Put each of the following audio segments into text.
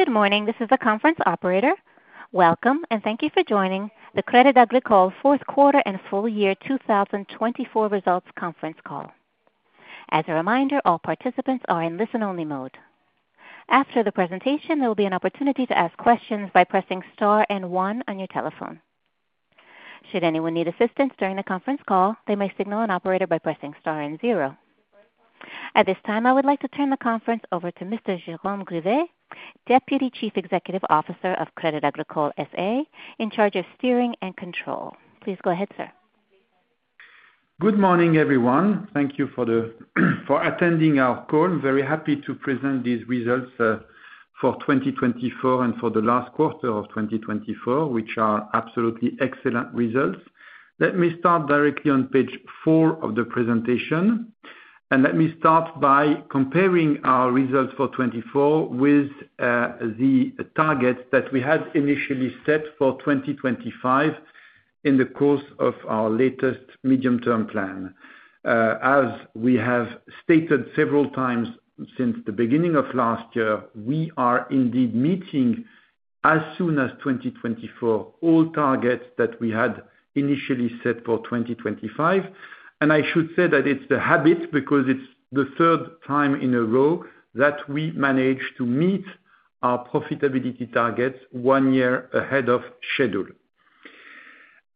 Good morning. This is the conference operator. Welcome, and thank you for joining the Crédit Agricole fourth quarter and full year 2024 results conference call. As a reminder, all participants are in listen-only mode. After the presentation, there will be an opportunity to ask questions by pressing star and one on your telephone. Should anyone need assistance during the conference call, they may signal an operator by pressing star and zero. At this time, I would like to turn the conference over to Mr. Jérôme Grivet, Deputy Chief Executive Officer of Crédit Agricole S.A., in charge of steering and control. Please go ahead, sir. Good morning, everyone. Thank you for attending our call. I'm very happy to present these results for 2024 and for the last quarter of 2024, which are absolutely excellent results. Let me start directly on page four of the presentation, and let me start by comparing our results for 2024 with the targets that we had initially set for 2025 in the course of our latest medium-term plan. As we have stated several times since the beginning of last year, we are indeed meeting, as soon as 2024, all targets that we had initially set for 2025, and I should say that it's the habit, because it's the third time in a row that we manage to meet our profitability targets one year ahead of schedule.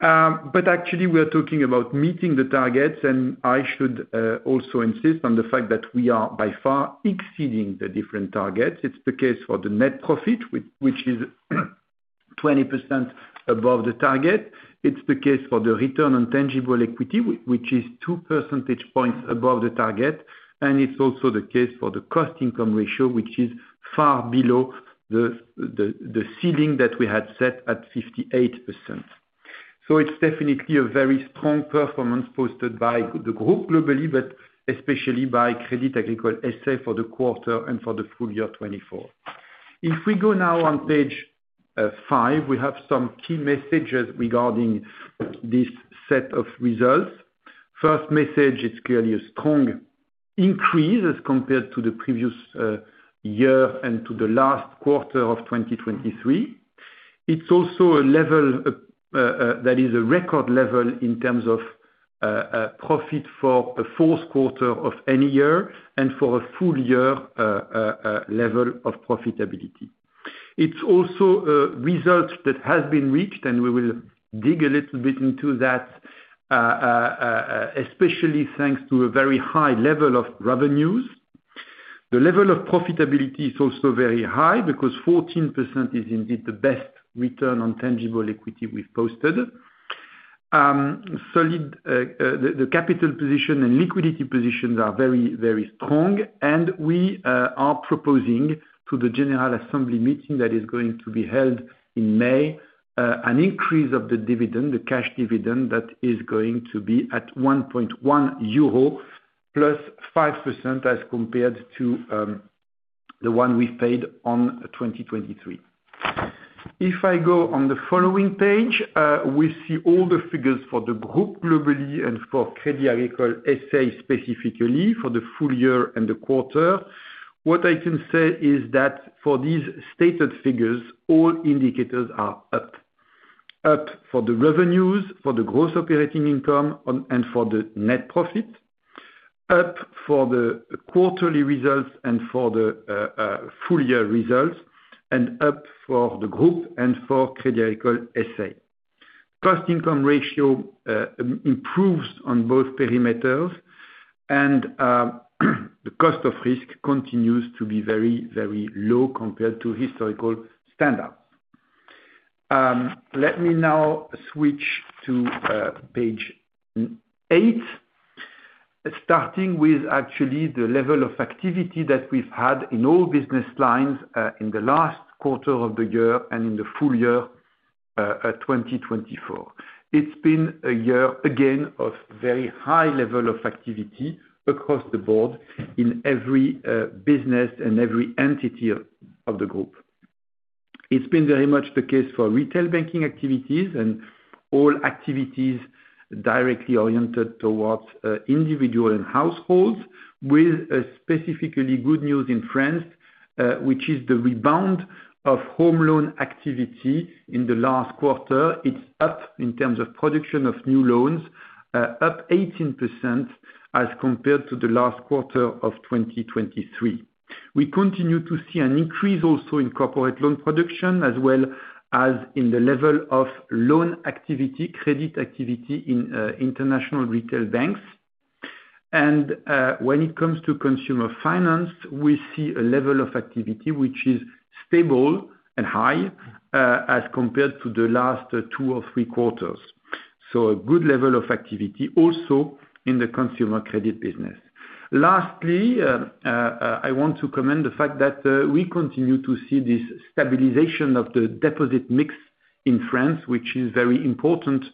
But actually, we are talking about meeting the targets, and I should also insist on the fact that we are by far exceeding the different targets. It's the case for the net profit, which is 20% above the target. It's the case for the return on tangible equity, which is two percentage points above the target. And it's also the case for the cost-income ratio, which is far below the ceiling that we had set at 58%. So it's definitely a very strong performance posted by the group globally, but especially by Crédit Agricole S.A. for the quarter and for the full year 2024. If we go now on page five, we have some key messages regarding this set of results. First message, it's clearly a strong increase as compared to the previous year and to the last quarter of 2023. It's also a level that is a record level in terms of profit for a fourth quarter of any year and for a full year level of profitability. It's also a result that has been reached, and we will dig a little bit into that, especially thanks to a very high level of revenues. The level of profitability is also very high because 14% is indeed the best return on tangible equity we've posted. The capital position and liquidity positions are very, very strong, and we are proposing to the General Assembly meeting that is going to be held in May an increase of the dividend, the cash dividend that is going to be at 1.1 euro plus 5% as compared to the one we've paid on 2023. If I go on the following page, we see all the figures for the group globally and for Crédit Agricole S.A. specifically for the full year and the quarter. What I can say is that for these stated figures, all indicators are up. Up for the revenues, for the gross operating income, and for the net profit. Up for the quarterly results and for the full year results, and up for the group and for Crédit Agricole S.A. Cost-income ratio improves on both perimeters, and the cost of risk continues to be very, very low compared to historical standards. Let me now switch to page eight, starting with actually the level of activity that we've had in all business lines in the last quarter of the year and in the full year 2024. It's been a year, again, of very high level of activity across the board in every business and every entity of the group. It's been very much the case for retail banking activities and all activities directly oriented towards individual and households, with specifically good news in France, which is the rebound of home loan activity in the last quarter. It's up in terms of production of new loans, up 18% as compared to the last quarter of 2023. We continue to see an increase also in corporate loan production, as well as in the level of loan activity, credit activity in international retail banks, and when it comes to consumer finance, we see a level of activity which is stable and high as compared to the last two or three quarters, so a good level of activity also in the consumer credit business. Lastly, I want to comment on the fact that we continue to see this stabilization of the deposit mix in France, which is very important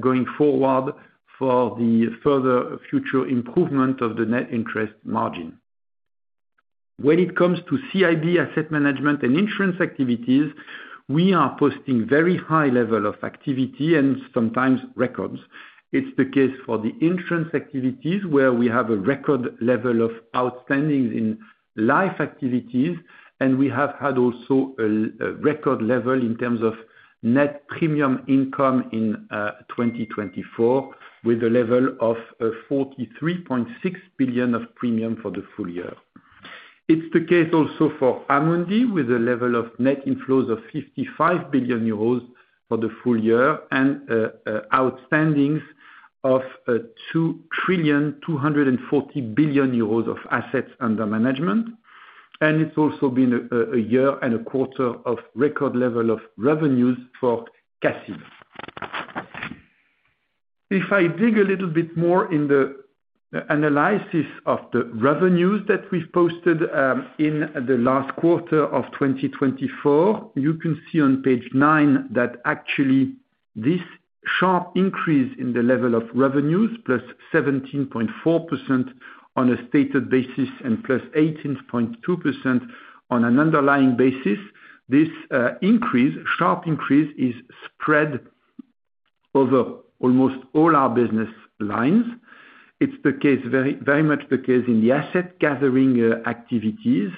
going forward for the further future improvement of the net interest margin. When it comes to CIB, asset management and insurance activities, we are posting very high level of activity and sometimes records. It's the case for the insurance activities where we have a record level of outstandings in life activities, and we have had also a record level in terms of net premium income in 2024, with a level of 43.6 billion of premium for the full year. It's the case also for Amundi, with a level of net inflows of 55 billion euros for the full year and outstandings of 2 trillion 240 billion of assets under management. And it's also been a year and a quarter of record level of revenues for CACIB. If I dig a little bit more in the analysis of the revenues that we've posted in the last quarter of 2024, you can see on page nine that actually this sharp increase in the level of revenues, plus 17.4% on a stated basis and plus 18.2% on an underlying basis, this increase, sharp increase, is spread over almost all our business lines. It's very much the case in the asset gathering activities,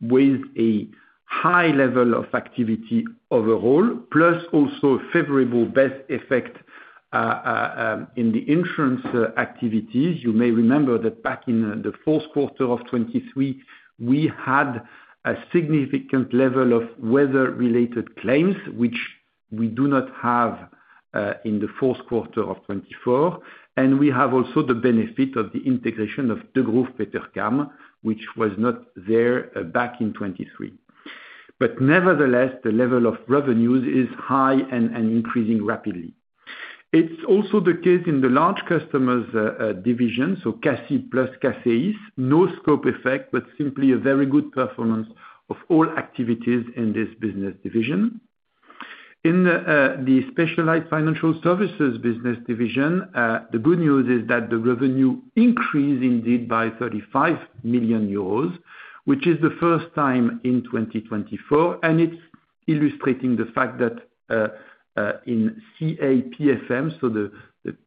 with a high level of activity overall, plus also favorable base effect in the insurance activities. You may remember that back in the fourth quarter of 2023, we had a significant level of weather-related claims, which we do not have in the fourth quarter of 2024. We have also the benefit of the integration of Degroof Petercam, which was not there back in 2023. But nevertheless, the level of revenues is high and increasing rapidly. It's also the case in the large customers' division, so CACI plus CACEIS, no scope effect, but simply a very good performance of all activities in this business division. In the specialized financial services business division, the good news is that the revenue increased indeed by 35 million euros, which is the first time in 2024. It's illustrating the fact that in CA PFM, so the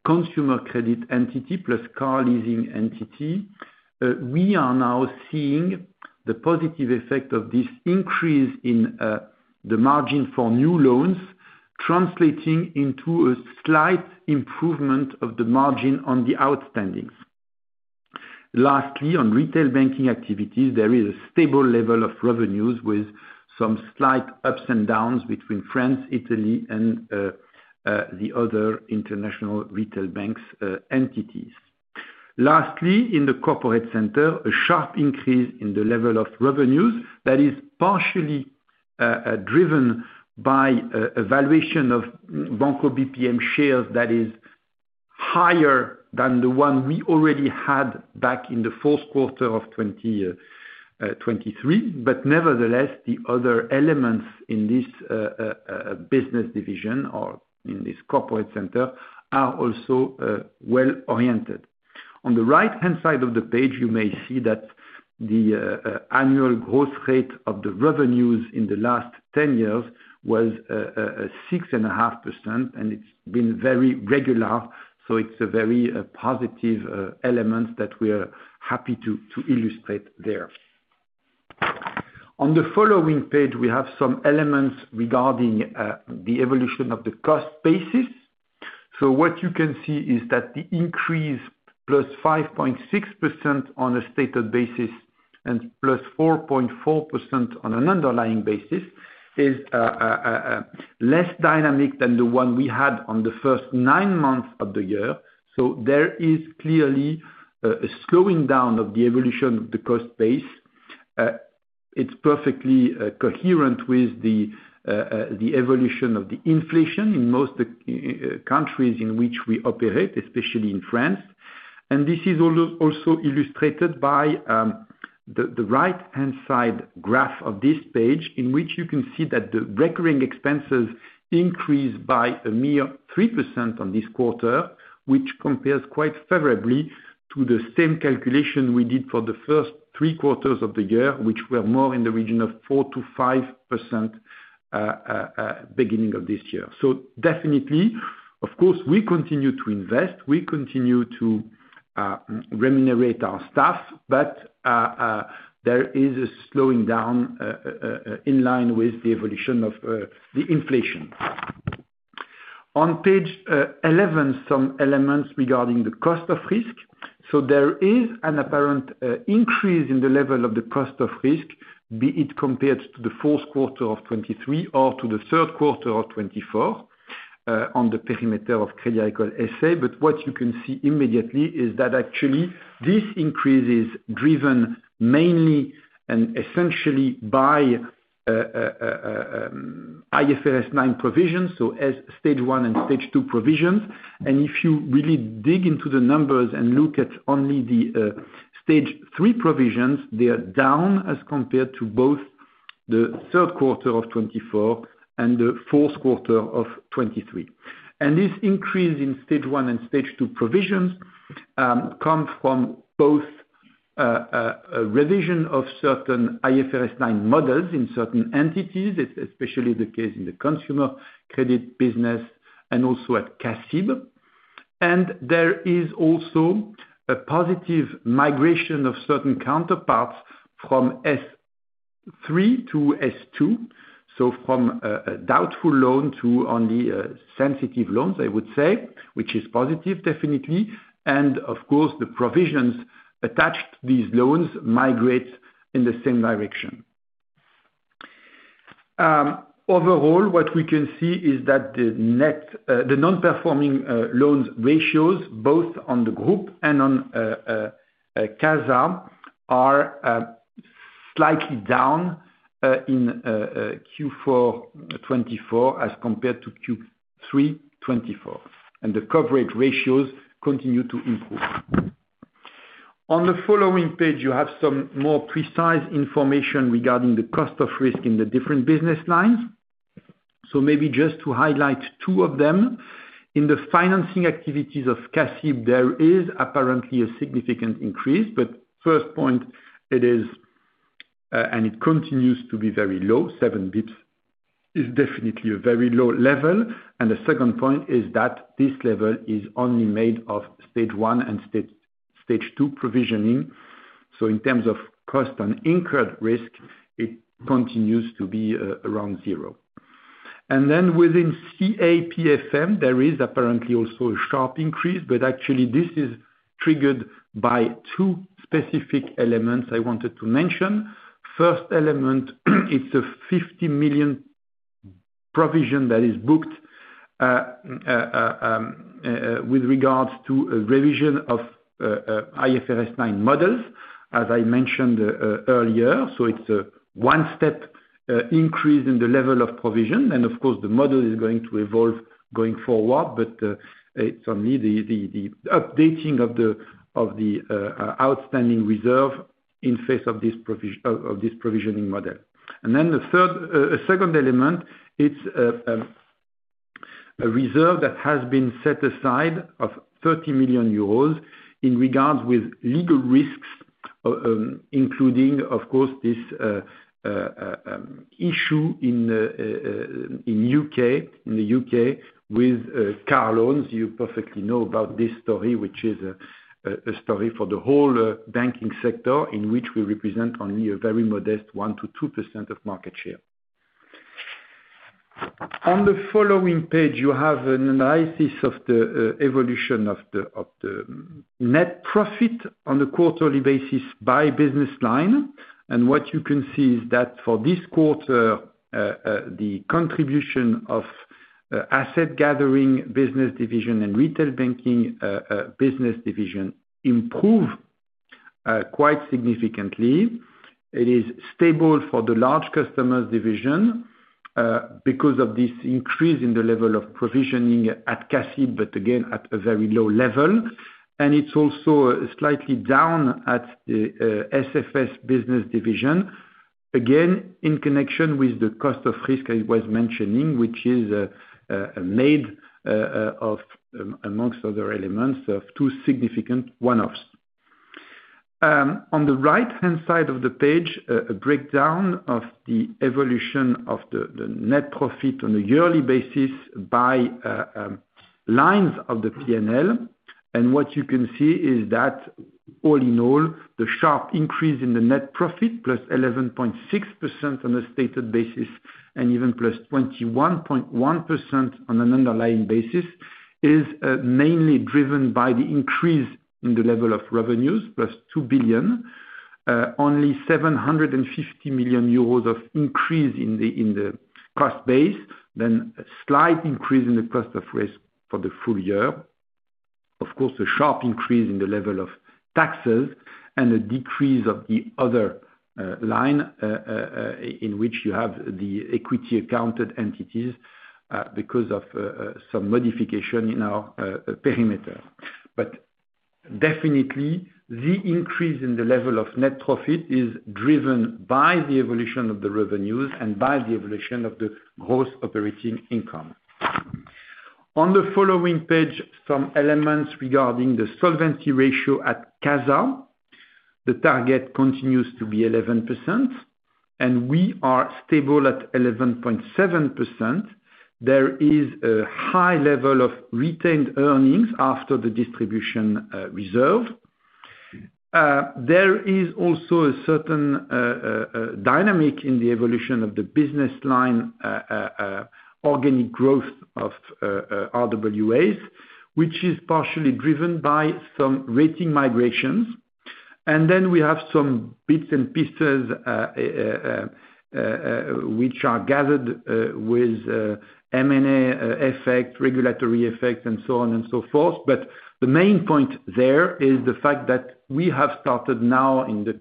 consumer credit entity plus car leasing entity, we are now seeing the positive effect of this increase in the margin for new loans, translating into a slight improvement of the margin on the outstandings. Lastly, on retail banking activities, there is a stable level of revenues with some slight ups and downs between France, Italy, and the other international retail banking entities. Lastly, in the corporate center, a sharp increase in the level of revenues that is partially driven by valuation of Banco BPM shares that is higher than the one we already had back in the fourth quarter of 2023. But nevertheless, the other elements in this business division or in this corporate center are also well-oriented. On the right-hand side of the page, you may see that the annual growth rate of the revenues in the last 10 years was 6.5%, and it's been very regular. So it's a very positive element that we are happy to illustrate there. On the following page, we have some elements regarding the evolution of the cost basis. So what you can see is that the increase plus 5.6% on a stated basis and plus 4.4% on an underlying basis is less dynamic than the one we had on the first nine months of the year. So there is clearly a slowing down of the evolution of the cost base. It's perfectly coherent with the evolution of the inflation in most countries in which we operate, especially in France. And this is also illustrated by the right-hand side graph of this page, in which you can see that the recurring expenses increased by a mere 3% on this quarter, which compares quite favorably to the same calculation we did for the first three quarters of the year, which were more in the region of 4%-5% beginning of this year. So definitely, of course, we continue to invest. We continue to remunerate our staff, but there is a slowing down in line with the evolution of the inflation. On page 11, some elements regarding the cost of risk. There is an apparent increase in the level of the cost of risk, be it compared to the fourth quarter of 2023 or to the third quarter of 2024 on the perimeter of Crédit Agricole S.A. But what you can see immediately is that actually this increase is driven mainly and essentially by IFRS 9 provisions, so as stage one and stage two provisions. And if you really dig into the numbers and look at only the stage three provisions, they are down as compared to both the third quarter of 2024 and the fourth quarter of 2023. This increase in stage one and stage two provisions comes from both a revision of certain IFRS 9 models in certain entities. It's especially the case in the consumer credit business and also at CACIB. There is also a positive migration of certain counterparties from S3 to S2, so from doubtful loan to only sensitive loans, I would say, which is positive, definitely. Of course, the provisions attached to these loans migrate in the same direction. Overall, what we can see is that the non-performing loans ratios, both on the group and on CASA, are slightly down in Q4 2024 as compared to Q3 2024. The coverage ratios continue to improve. On the following page, you have some more precise information regarding the cost of risk in the different business lines. Maybe just to highlight two of them. In the financing activities of CACIB, there is apparently a significant increase. But first point, it is, and it continues to be very low. Seven basis points is definitely a very low level. And the second point is that this level is only made of stage one and stage two provisioning. So in terms of cost and incurred risk, it continues to be around zero. And then within CA PFM, there is apparently also a sharp increase, but actually this is triggered by two specific elements I wanted to mention. First element, it's a 50 million provision that is booked with regards to a revision of IFRS 9 models, as I mentioned earlier. So it's a one-step increase in the level of provision. And of course, the model is going to evolve going forward, but it's only the updating of the outstanding reserve in face of this provisioning model. Then the second element, it's a reserve that has been set aside of 30 million euros in regards with legal risks, including, of course, this issue in the U.K., in the U.K. with car loans. You perfectly know about this story, which is a story for the whole banking sector in which we represent only a very modest 1%-2% of market share. On the following page, you have an analysis of the evolution of the net profit on a quarterly basis by business line. And what you can see is that for this quarter, the contribution of asset gathering business division and retail banking business division improved quite significantly. It is stable for the large customers division because of this increase in the level of provisioning at CACIB, but again, at a very low level. It's also slightly down at the SFS business division, again, in connection with the cost of risk I was mentioning, which is made of, amongst other elements, of two significant one-offs. On the right-hand side of the page, a breakdown of the evolution of the net profit on a yearly basis by lines of the P&L. What you can see is that all in all, the sharp increase in the net profit, plus 11.6% on a stated basis, and even plus 21.1% on an underlying basis, is mainly driven by the increase in the level of revenues, plus 2 billion, only 750 million euros of increase in the cost base, then a slight increase in the cost of risk for the full year. Of course, a sharp increase in the level of taxes and a decrease of the other line in which you have the equity accounted entities because of some modification in our perimeter. But definitely, the increase in the level of net profit is driven by the evolution of the revenues and by the evolution of the gross operating income. On the following page, some elements regarding the solvency ratio at CASA. The target continues to be 11%, and we are stable at 11.7%. There is a high level of retained earnings after the distribution reserve. There is also a certain dynamic in the evolution of the business line organic growth of RWAs, which is partially driven by some rating migrations. And then we have some bits and pieces which are gathered with M&A effect, regulatory effect, and so on and so forth. The main point there is the fact that we have started now in the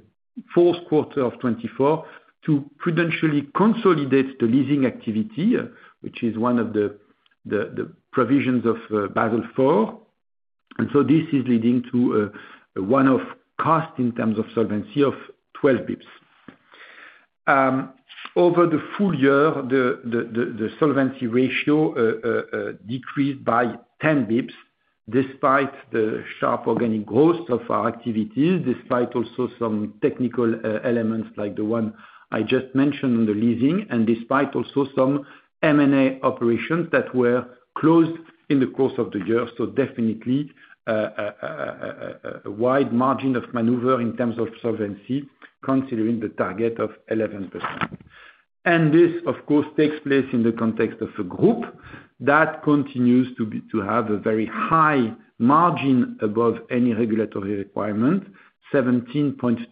fourth quarter of 2024 to prudentially consolidate the leasing activity, which is one of the provisions of Basel IV. This is leading to a one-off cost in terms of solvency of 12 basis points. Over the full year, the solvency ratio decreased by 10 basis points despite the sharp organic growth of our activities, despite also some technical elements like the one I just mentioned on the leasing, and despite also some M&A operations that were closed in the course of the year. Definitely, a wide margin of maneuver in terms of solvency, considering the target of 11%. This, of course, takes place in the context of a group that continues to have a very high margin above any regulatory requirement, 17.2%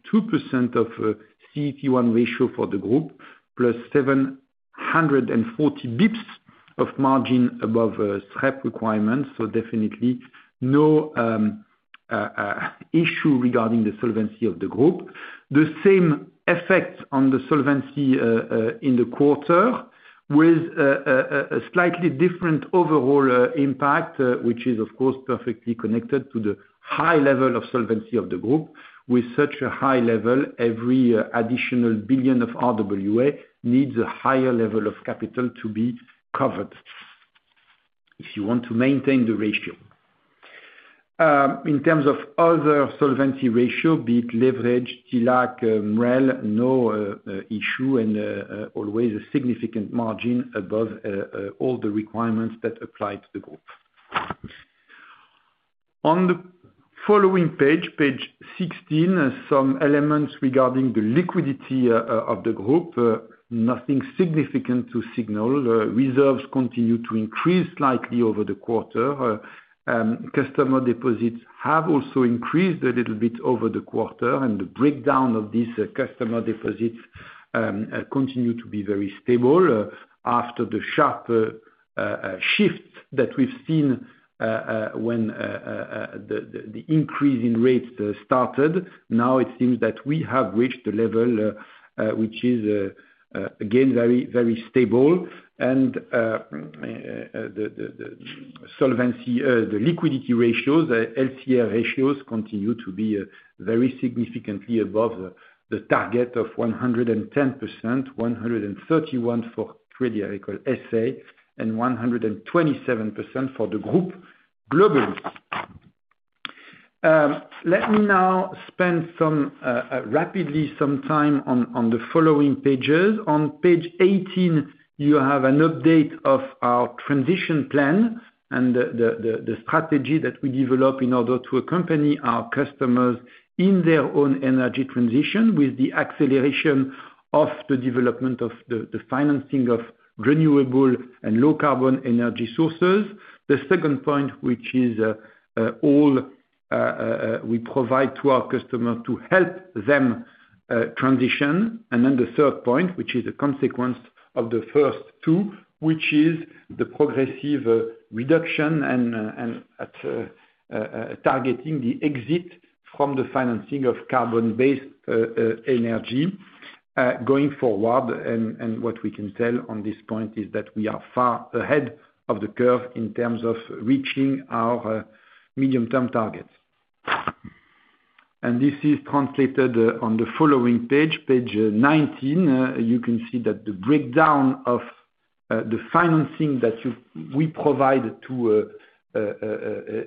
CET1 ratio for the group, plus 740 basis points of margin above SREP requirements. So definitely, no issue regarding the solvency of the group. The same effect on the solvency in the quarter with a slightly different overall impact, which is, of course, perfectly connected to the high level of solvency of the group. With such a high level, every additional billion of RWA needs a higher level of capital to be covered if you want to maintain the ratio. In terms of other solvency ratio, be it leverage, TLAC, MREL, no issue and always a significant margin above all the requirements that apply to the group. On the following page, page 16, some elements regarding the liquidity of the group, nothing significant to signal. Reserves continue to increase slightly over the quarter. Customer deposits have also increased a little bit over the quarter, and the breakdown of these customer deposits continues to be very stable after the sharp shift that we've seen when the increase in rates started. Now it seems that we have reached the level which is, again, very, very stable. And the liquidity ratios, LCR ratios continue to be very significantly above the target of 110%, 131% for Crédit Agricole SA, and 127% for the group globally. Let me now spend rapidly some time on the following pages. On page 18, you have an update of our transition plan and the strategy that we develop in order to accompany our customers in their own energy transition with the acceleration of the development of the financing of renewable and low-carbon energy sources. The second point, which is all we provide to our customers to help them transition, and then the third point, which is a consequence of the first two, which is the progressive reduction and targeting the exit from the financing of carbon-based energy going forward. And what we can tell on this point is that we are far ahead of the curve in terms of reaching our medium-term targets. And this is translated on the following page, page 19. You can see that the breakdown of the financing that we provide to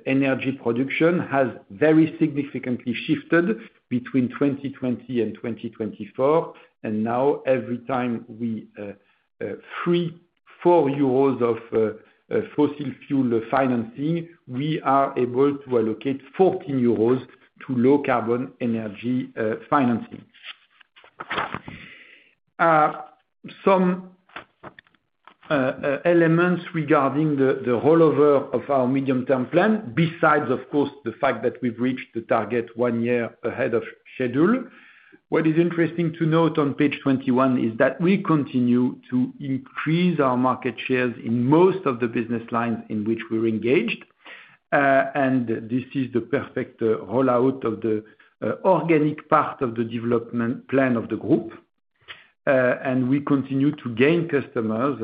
energy production has very significantly shifted between 2020 and 2024. And now, every time we free 4 euros of fossil fuel financing, we are able to allocate 14 euros to low-carbon energy financing. Some elements regarding the rollover of our medium-term plan, besides, of course, the fact that we've reached the target one year ahead of schedule. What is interesting to note on page 21 is that we continue to increase our market shares in most of the business lines in which we're engaged. And this is the perfect rollout of the organic part of the development plan of the group. And we continue to gain customers,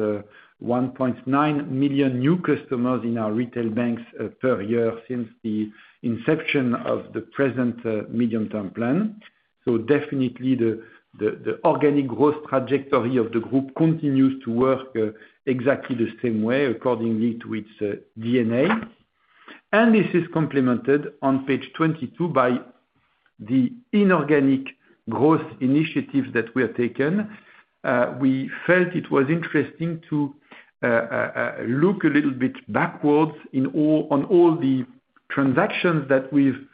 1.9 million new customers in our retail banks per year since the inception of the present medium-term plan. So definitely, the organic growth trajectory of the group continues to work exactly the same way, according to its DNA. And this is complemented on page 22 by the inorganic growth initiatives that we have taken. We felt it was interesting to look a little bit backwards on all the transactions that we've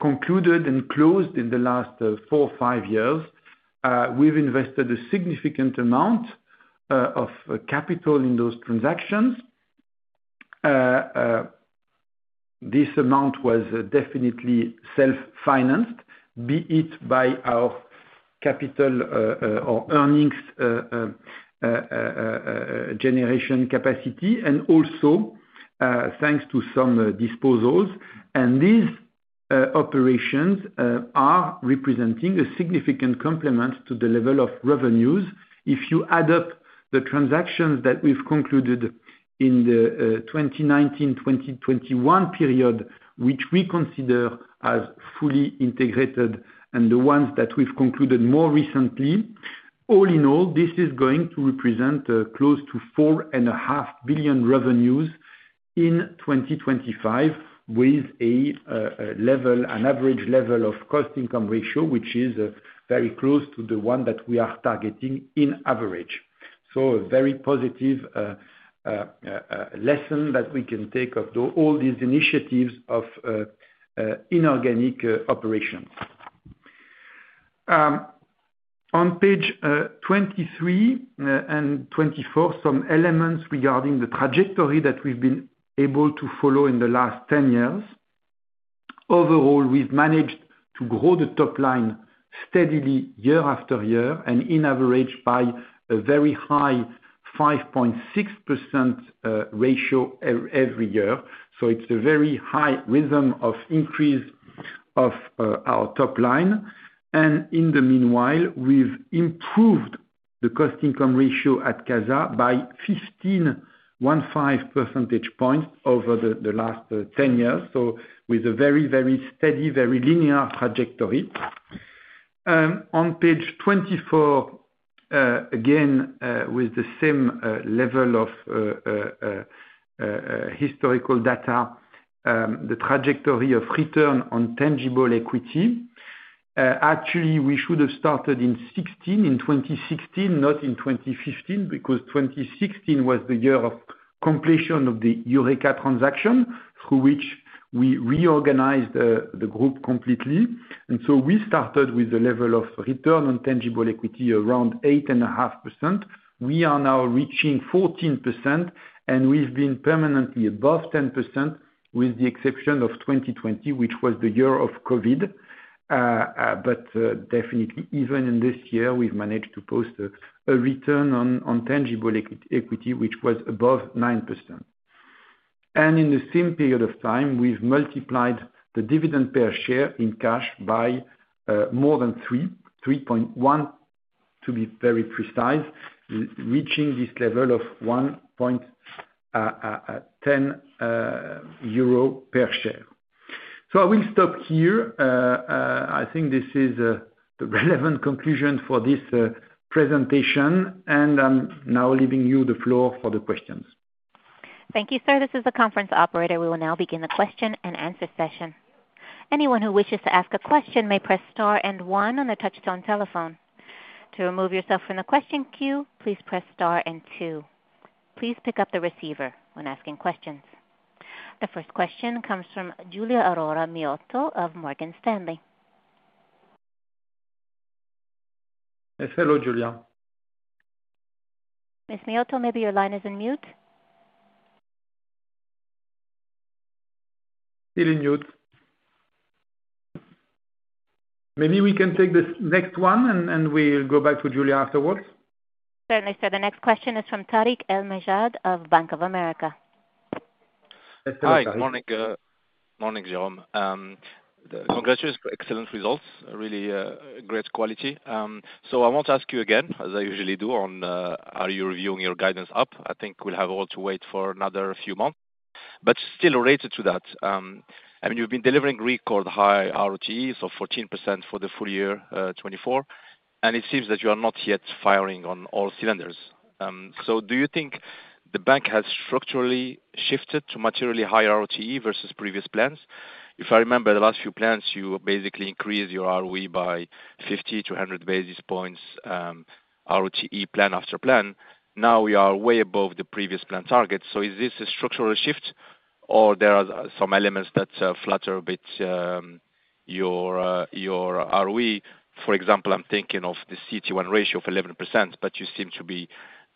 concluded and closed in the last four or five years. We've invested a significant amount of capital in those transactions. This amount was definitely self-financed, be it by our capital or earnings generation capacity, and also thanks to some disposals, and these operations are representing a significant complement to the level of revenues. If you add up the transactions that we've concluded in the 2019-2021 period, which we consider as fully integrated and the ones that we've concluded more recently, all in all, this is going to represent close to 4.5 billion revenues in 2025 with an average level of cost-income ratio, which is very close to the one that we are targeting in average, so a very positive lesson that we can take of all these initiatives of inorganic operations. On page 23 and 24, some elements regarding the trajectory that we've been able to follow in the last 10 years. Overall, we've managed to grow the top line steadily year after year and in average by a very high 5.6% ratio every year, so it's a very high rhythm of increase of our top line, and in the meanwhile, we've improved the cost-income ratio at CASA by 15.15 percentage points over the last 10 years, so with a very, very steady, very linear trajectory. On page 24, again, with the same level of historical data, the trajectory of return on tangible equity. Actually, we should have started in '16, in 2016, not in 2015, because 2016 was the year of completion of the Eureka transaction, through which we reorganized the group completely, and so we started with the level of return on tangible equity around 8.5%. We are now reaching 14%, and we've been permanently above 10% with the exception of 2020, which was the year of COVID. But definitely, even in this year, we've managed to post a return on tangible equity, which was above 9%. And in the same period of time, we've multiplied the dividend per share in cash by more than 3, 3.1, to be very precise, reaching this level of 1.10 euro per share. So I will stop here. I think this is the relevant conclusion for this presentation. And I'm now leaving you the floor for the questions. Thank you, sir. This is the conference operator. We will now begin the question and answer session. Anyone who wishes to ask a question may press star and one on the touch-tone telephone. To remove yourself from the question queue, please press star and two. Please pick up your receiver when asking questions. The first question comes from Giulia Aurora Miotto of Morgan Stanley. Hello, Giulia. Ms. Miotto, maybe your line is muted. Still in mute. Maybe we can take this next one, and we'll go back to Giulia afterwards. Certainly, sir. The next question is from Tarik El Mejjad of Bank of America. Hi. Good morning, Jérôme. Congratulations for excellent results, really great quality, so I want to ask you again, as I usually do, on how you're reviewing your guidance up. I think we'll all have to wait for another few months, but still related to that, I mean, you've been delivering record high ROTE, so 14% for the full year 2024, and it seems that you are not yet firing on all cylinders, so do you think the bank has structurally shifted to materially higher ROTE versus previous plans? If I remember, the last few plans, you basically increase your ROE by 50-100 basis points, plan after plan. Now we are way above the previous plan target. So is this a structural shift, or there are some elements that flatter a bit your ROE? For example, I'm thinking of the CET1 ratio of 11%, but you seem to be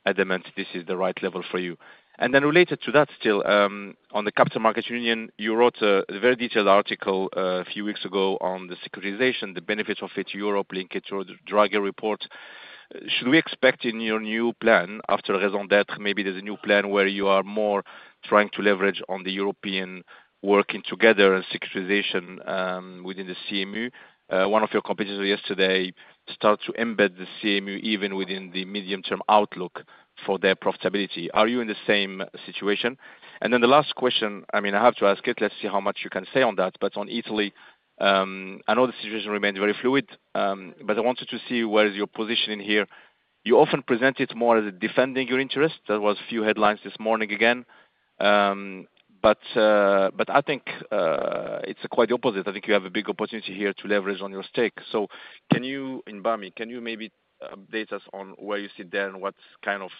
adamant this is the right level for you. And then related to that still, on the Capital Markets Union, you wrote a very detailed article a few weeks ago on the securitization, the benefits of it to Europe, link it to your Draghi report. Should we expect in your new plan, after raison d'être, maybe there's a new plan where you are more trying to leverage on the European working together and securitization within the CMU? One of your competitors yesterday started to embed the CMU even within the medium-term outlook for their profitability. Are you in the same situation? And then the last question, I mean, I have to ask it. Let's see how much you can say on that. But on Italy, I know the situation remains very fluid, but I wanted to see where is your position in here. You often present it more as defending your interest. That was a few headlines this morning again. But I think it's quite the opposite. I think you have a big opportunity here to leverage on your stake. So in BPM, can you maybe update us on where you sit there and what kind of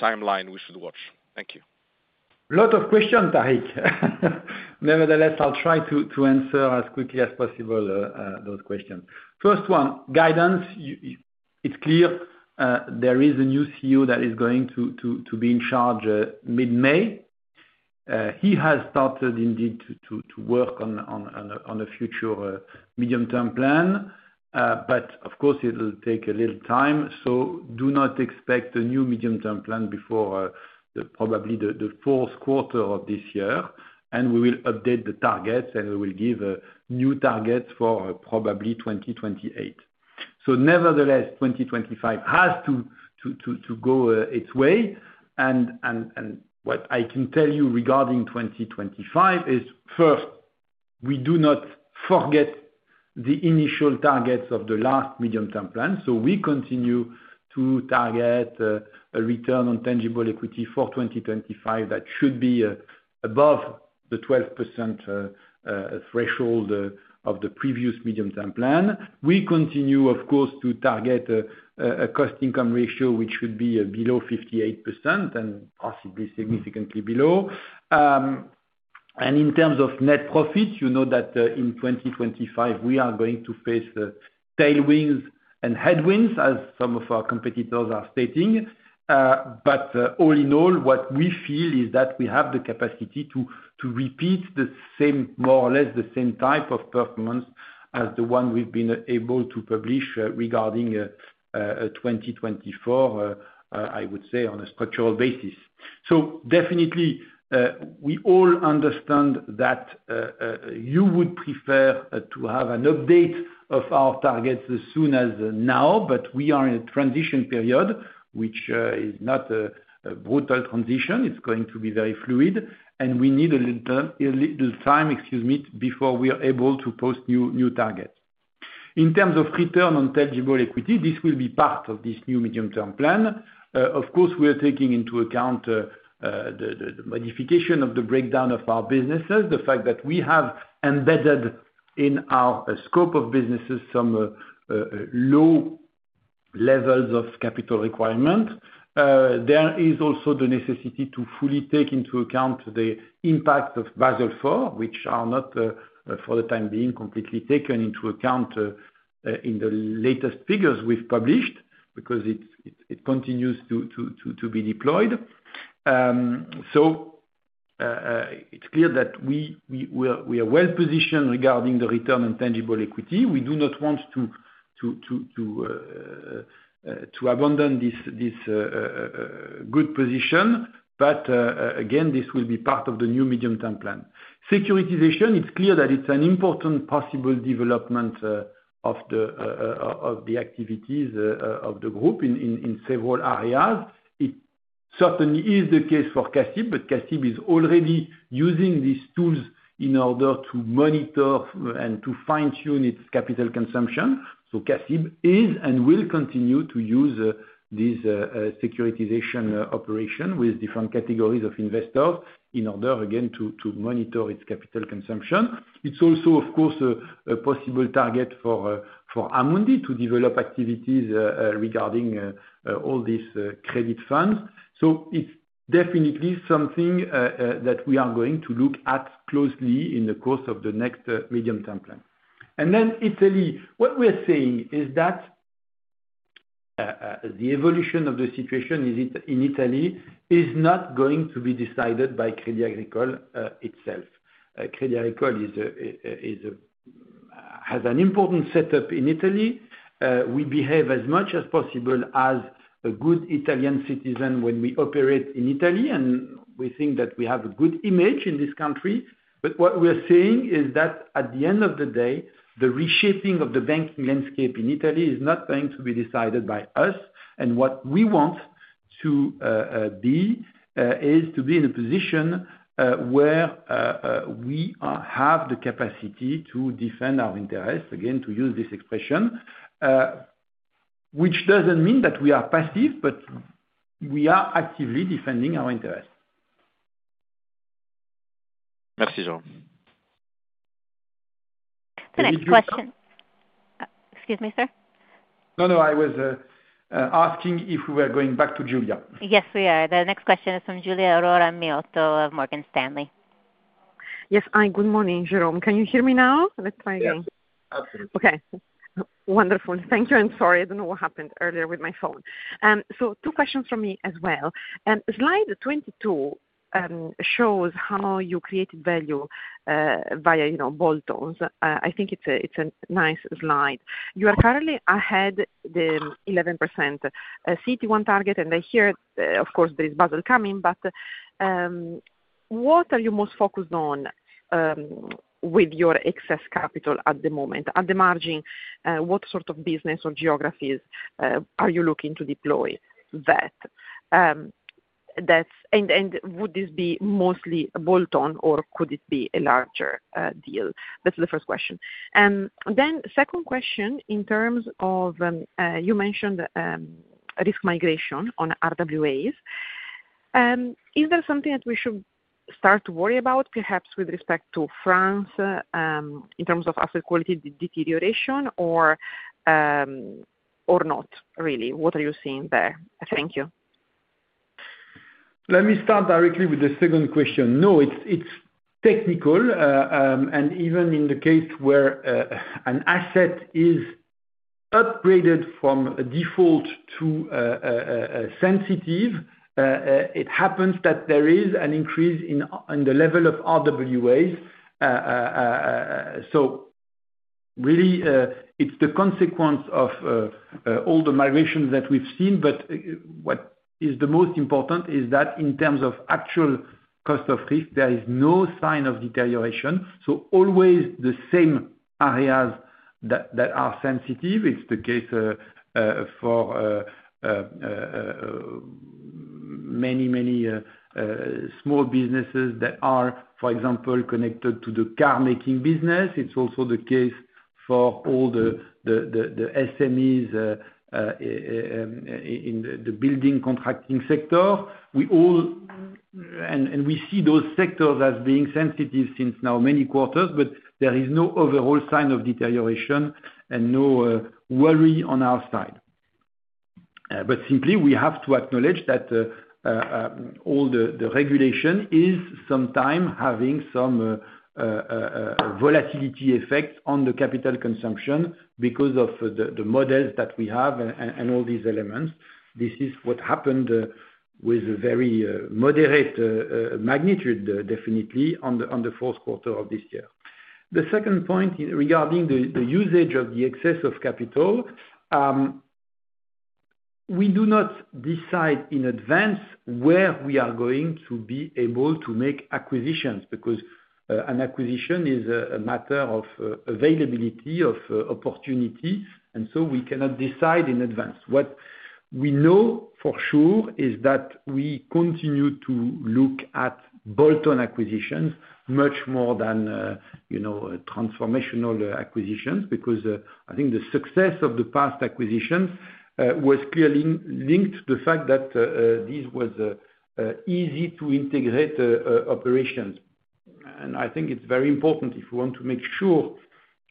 timeline we should watch? Thank you. A lot of questions, Tarik. Nevertheless, I'll try to answer as quickly as possible those questions. First one, guidance. It's clear there is a new CEO that is going to be in charge mid-May. He has started indeed to work on a future medium-term plan. But of course, it will take a little time. So do not expect a new medium-term plan before probably the fourth quarter of this year. And we will update the targets, and we will give new targets for probably 2028. So nevertheless, 2025 has to go its way. And what I can tell you regarding 2025 is, first, we do not forget the initial targets of the last medium-term plan. So we continue to target a return on tangible equity for 2025 that should be above the 12% threshold of the previous medium-term plan. We continue, of course, to target a cost-income ratio which should be below 58% and possibly significantly below. And in terms of net profits, you know that in 2025, we are going to face tailwinds and headwinds, as some of our competitors are stating. But all in all, what we feel is that we have the capacity to repeat the same, more or less the same type of performance as the one we've been able to publish regarding 2024, I would say, on a structural basis. So definitely, we all understand that you would prefer to have an update of our targets as soon as now, but we are in a transition period, which is not a brutal transition. It's going to be very fluid. And we need a little time, excuse me, before we are able to post new targets. In terms of Return on Tangible Equity, this will be part of this new Medium-Term Plan. Of course, we are taking into account the modification of the breakdown of our businesses, the fact that we have embedded in our scope of businesses some low levels of capital requirement. There is also the necessity to fully take into account the impact of Basel IV, which are not, for the time being, completely taken into account in the latest figures we've published because it continues to be deployed. So it's clear that we are well positioned regarding the return on tangible equity. We do not want to abandon this good position. But again, this will be part of the new medium-term plan. Securitization, it's clear that it's an important possible development of the activities of the group in several areas. It certainly is the case for CACIB, but CACIB is already using these tools in order to monitor and to fine-tune its capital consumption. So CACIB is and will continue to use this securitization operation with different categories of investors in order, again, to monitor its capital consumption. It's also, of course, a possible target for Amundi to develop activities regarding all these credit funds. So it's definitely something that we are going to look at closely in the course of the next medium-term plan. And then Italy, what we are seeing is that the evolution of the situation in Italy is not going to be decided by Crédit Agricole itself. Crédit Agricole has an important setup in Italy. We behave as much as possible as a good Italian citizen when we operate in Italy, and we think that we have a good image in this country. But what we are seeing is that at the end of the day, the reshaping of the banking landscape in Italy is not going to be decided by us. And what we want to be is to be in a position where we have the capacity to defend our interests, again, to use this expression, which doesn't mean that we are passive, but we are actively defending our interests. Merci, Jérôme. The next question. Excuse me, sir. No, no. I was asking if we were going back to Giulia. Yes, we are. The next question is from Giulia Aurora Miotto of Morgan Stanley. Yes. Hi. Good morning, Jérôme. Can you hear me now? Let's try again. Yes. Absolutely. Okay. Wonderful. Thank you. I'm sorry. I don't know what happened earlier with my phone. So two questions from me as well. Slide 22 shows how you created value via bolt-ons. I think it's a nice slide. You are currently ahead of the 11% CET1 target, and I hear, of course, there is Basel coming, but what are you most focused on with your excess capital at the moment? At the margin, what sort of business or geographies are you looking to deploy that? And would this be mostly bolt-on, or could it be a larger deal? That's the first question. Then second question, in terms of you mentioned risk migration on RWAs. Is there something that we should start to worry about, perhaps with respect to France in terms of asset quality deterioration or not, really? What are you seeing there? Thank you. Let me start directly with the second question. No, it's technical. And even in the case where an asset is upgraded from default to sensitive, it happens that there is an increase in the level of RWAs. So really, it's the consequence of all the migrations that we've seen. But what is the most important is that in terms of actual cost of risk, there is no sign of deterioration. So always the same areas that are sensitive. It's the case for many, many small businesses that are, for example, connected to the car-making business. It's also the case for all the SMEs in the building contracting sector. And we see those sectors as being sensitive since now many quarters, but there is no overall sign of deterioration and no worry on our side. But simply, we have to acknowledge that all the regulation is sometimes having some volatility effect on the capital consumption because of the models that we have and all these elements. This is what happened with a very moderate magnitude, definitely, on the fourth quarter of this year. The second point regarding the usage of the excess of capital, we do not decide in advance where we are going to be able to make acquisitions because an acquisition is a matter of availability of opportunity, and so we cannot decide in advance. What we know for sure is that we continue to look at bolt-on acquisitions much more than transformational acquisitions because I think the success of the past acquisitions was clearly linked to the fact that this was easy to integrate operations, and I think it's very important if we want to make sure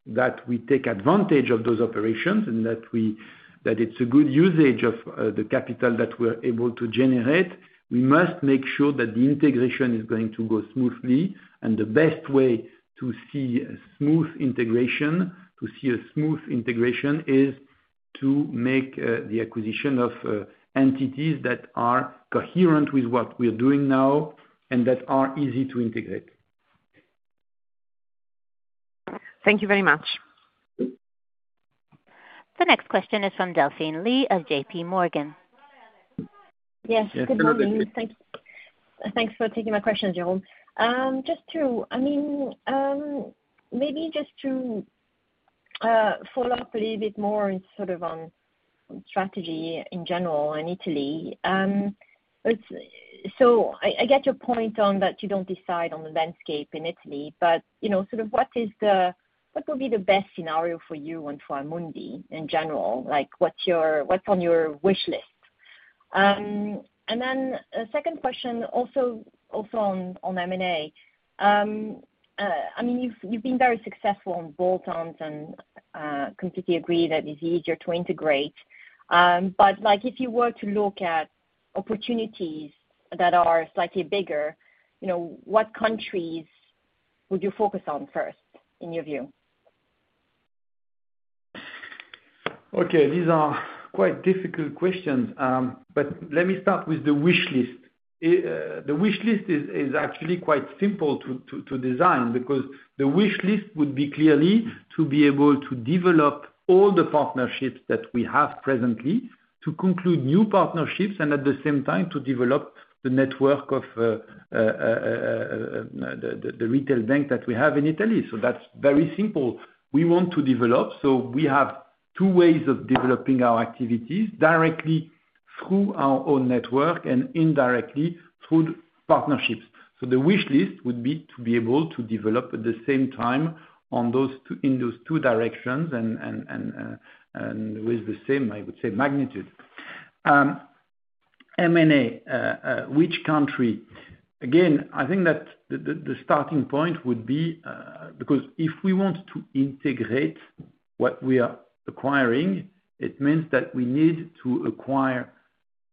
that we take advantage of those operations and that it's a good usage of the capital that we're able to generate, we must make sure that the integration is going to go smoothly. The best way to see a smooth integration is to make the acquisition of entities that are coherent with what we're doing now and that are easy to integrate. Thank you very much. The next question is from Delphine Lee of J.P. Morgan. Yes. Good morning. Thank you. Thanks for taking my questions, Jérôme. I mean, maybe just to follow up a little bit more sort of on strategy in general in Italy. I get your point on that you don't decide on the landscape in Italy, but sort of what would be the best scenario for you and for Amundi in general? What's on your wish list? Then a second question also on M&A. I mean, you've been very successful on bolt-ons and completely agree that it's easier to integrate. But if you were to look at opportunities that are slightly bigger, what countries would you focus on first in your view? Okay. These are quite difficult questions, but let me start with the wish list. The wish list is actually quite simple to design because the wish list would be clearly to be able to develop all the partnerships that we have presently, to conclude new partnerships, and at the same time, to develop the network of the retail bank that we have in Italy. So that's very simple. We want to develop. So we have two ways of developing our activities: directly through our own network and indirectly through partnerships. So the wish list would be to be able to develop at the same time in those two directions and with the same, I would say, magnitude. M&A, which country? Again, I think that the starting point would be because if we want to integrate what we are acquiring, it means that we need to acquire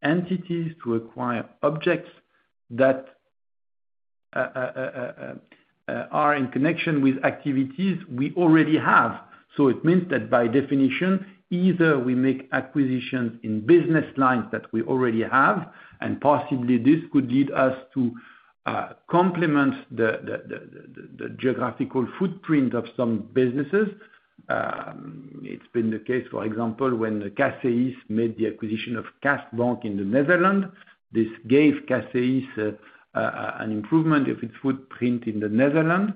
entities, to acquire objects that are in connection with activities we already have. So it means that by definition, either we make acquisitions in business lines that we already have, and possibly this could lead us to complement the geographical footprint of some businesses. It's been the case, for example, when CACEIS made the acquisition of KAS Bank in the Netherlands. This gave CACEIS an improvement of its footprint in the Netherlands.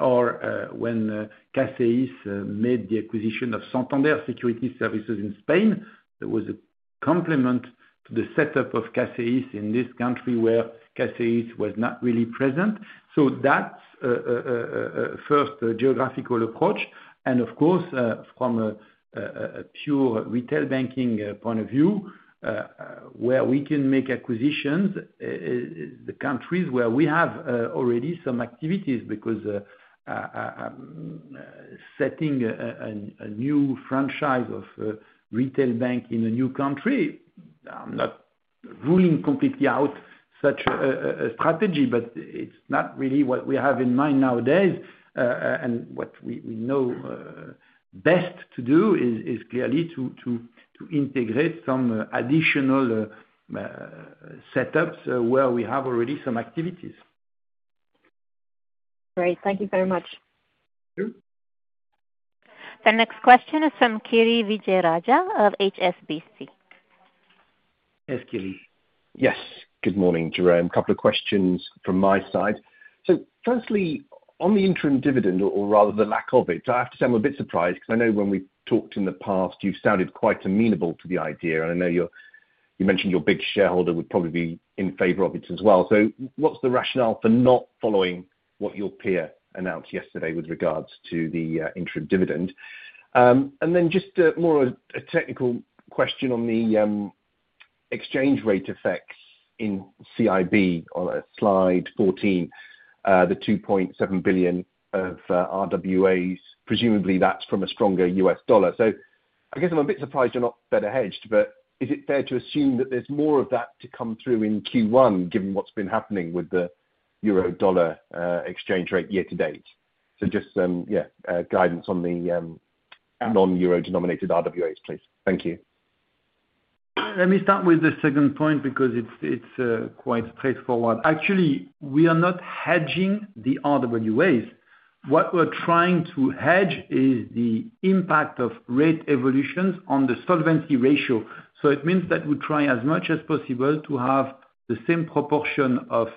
Or when CACEIS made the acquisition of Santander Security Services in Spain, there was a complement to the setup of CACEIS in this country where CACEIS was not really present. So that's a first geographical approach. And of course, from a pure retail banking point of view, where we can make acquisitions, the countries where we have already some activities because setting a new franchise of retail bank in a new country, I'm not ruling completely out such a strategy, but it's not really what we have in mind nowadays. And what we know best to do is clearly to integrate some additional setups where we have already some activities. Great. Thank you very much. Thank you. The next question is from Kiri Vijayarajah of HSBC. Yes, Kiri. Yes. Good morning, Jérôme. A couple of questions from my side. So firstly, on the interim dividend, or rather the lack of it, I have to say I'm a bit surprised because I know when we talked in the past, you've sounded quite amenable to the idea. I know you mentioned your big shareholder would probably be in favor of it as well. What's the rationale for not following what your peer announced yesterday with regards to the interim dividend? And then just more of a technical question on the exchange rate effects in CIB on slide 14, the 2.7 billion of RWAs. Presumably, that's from a stronger U.S. dollar. I guess I'm a bit surprised you're not better hedged, but is it fair to assume that there's more of that to come through in Q1 given what's been happening with the euro/dollar exchange rate year to date? Just, yeah, guidance on the non-euro denominated RWAs, please. Thank you. Let me start with the second point because it's quite straightforward. Actually, we are not hedging the RWAs. What we're trying to hedge is the impact of rate evolutions on the solvency ratio. So it means that we try as much as possible to have the same proportion of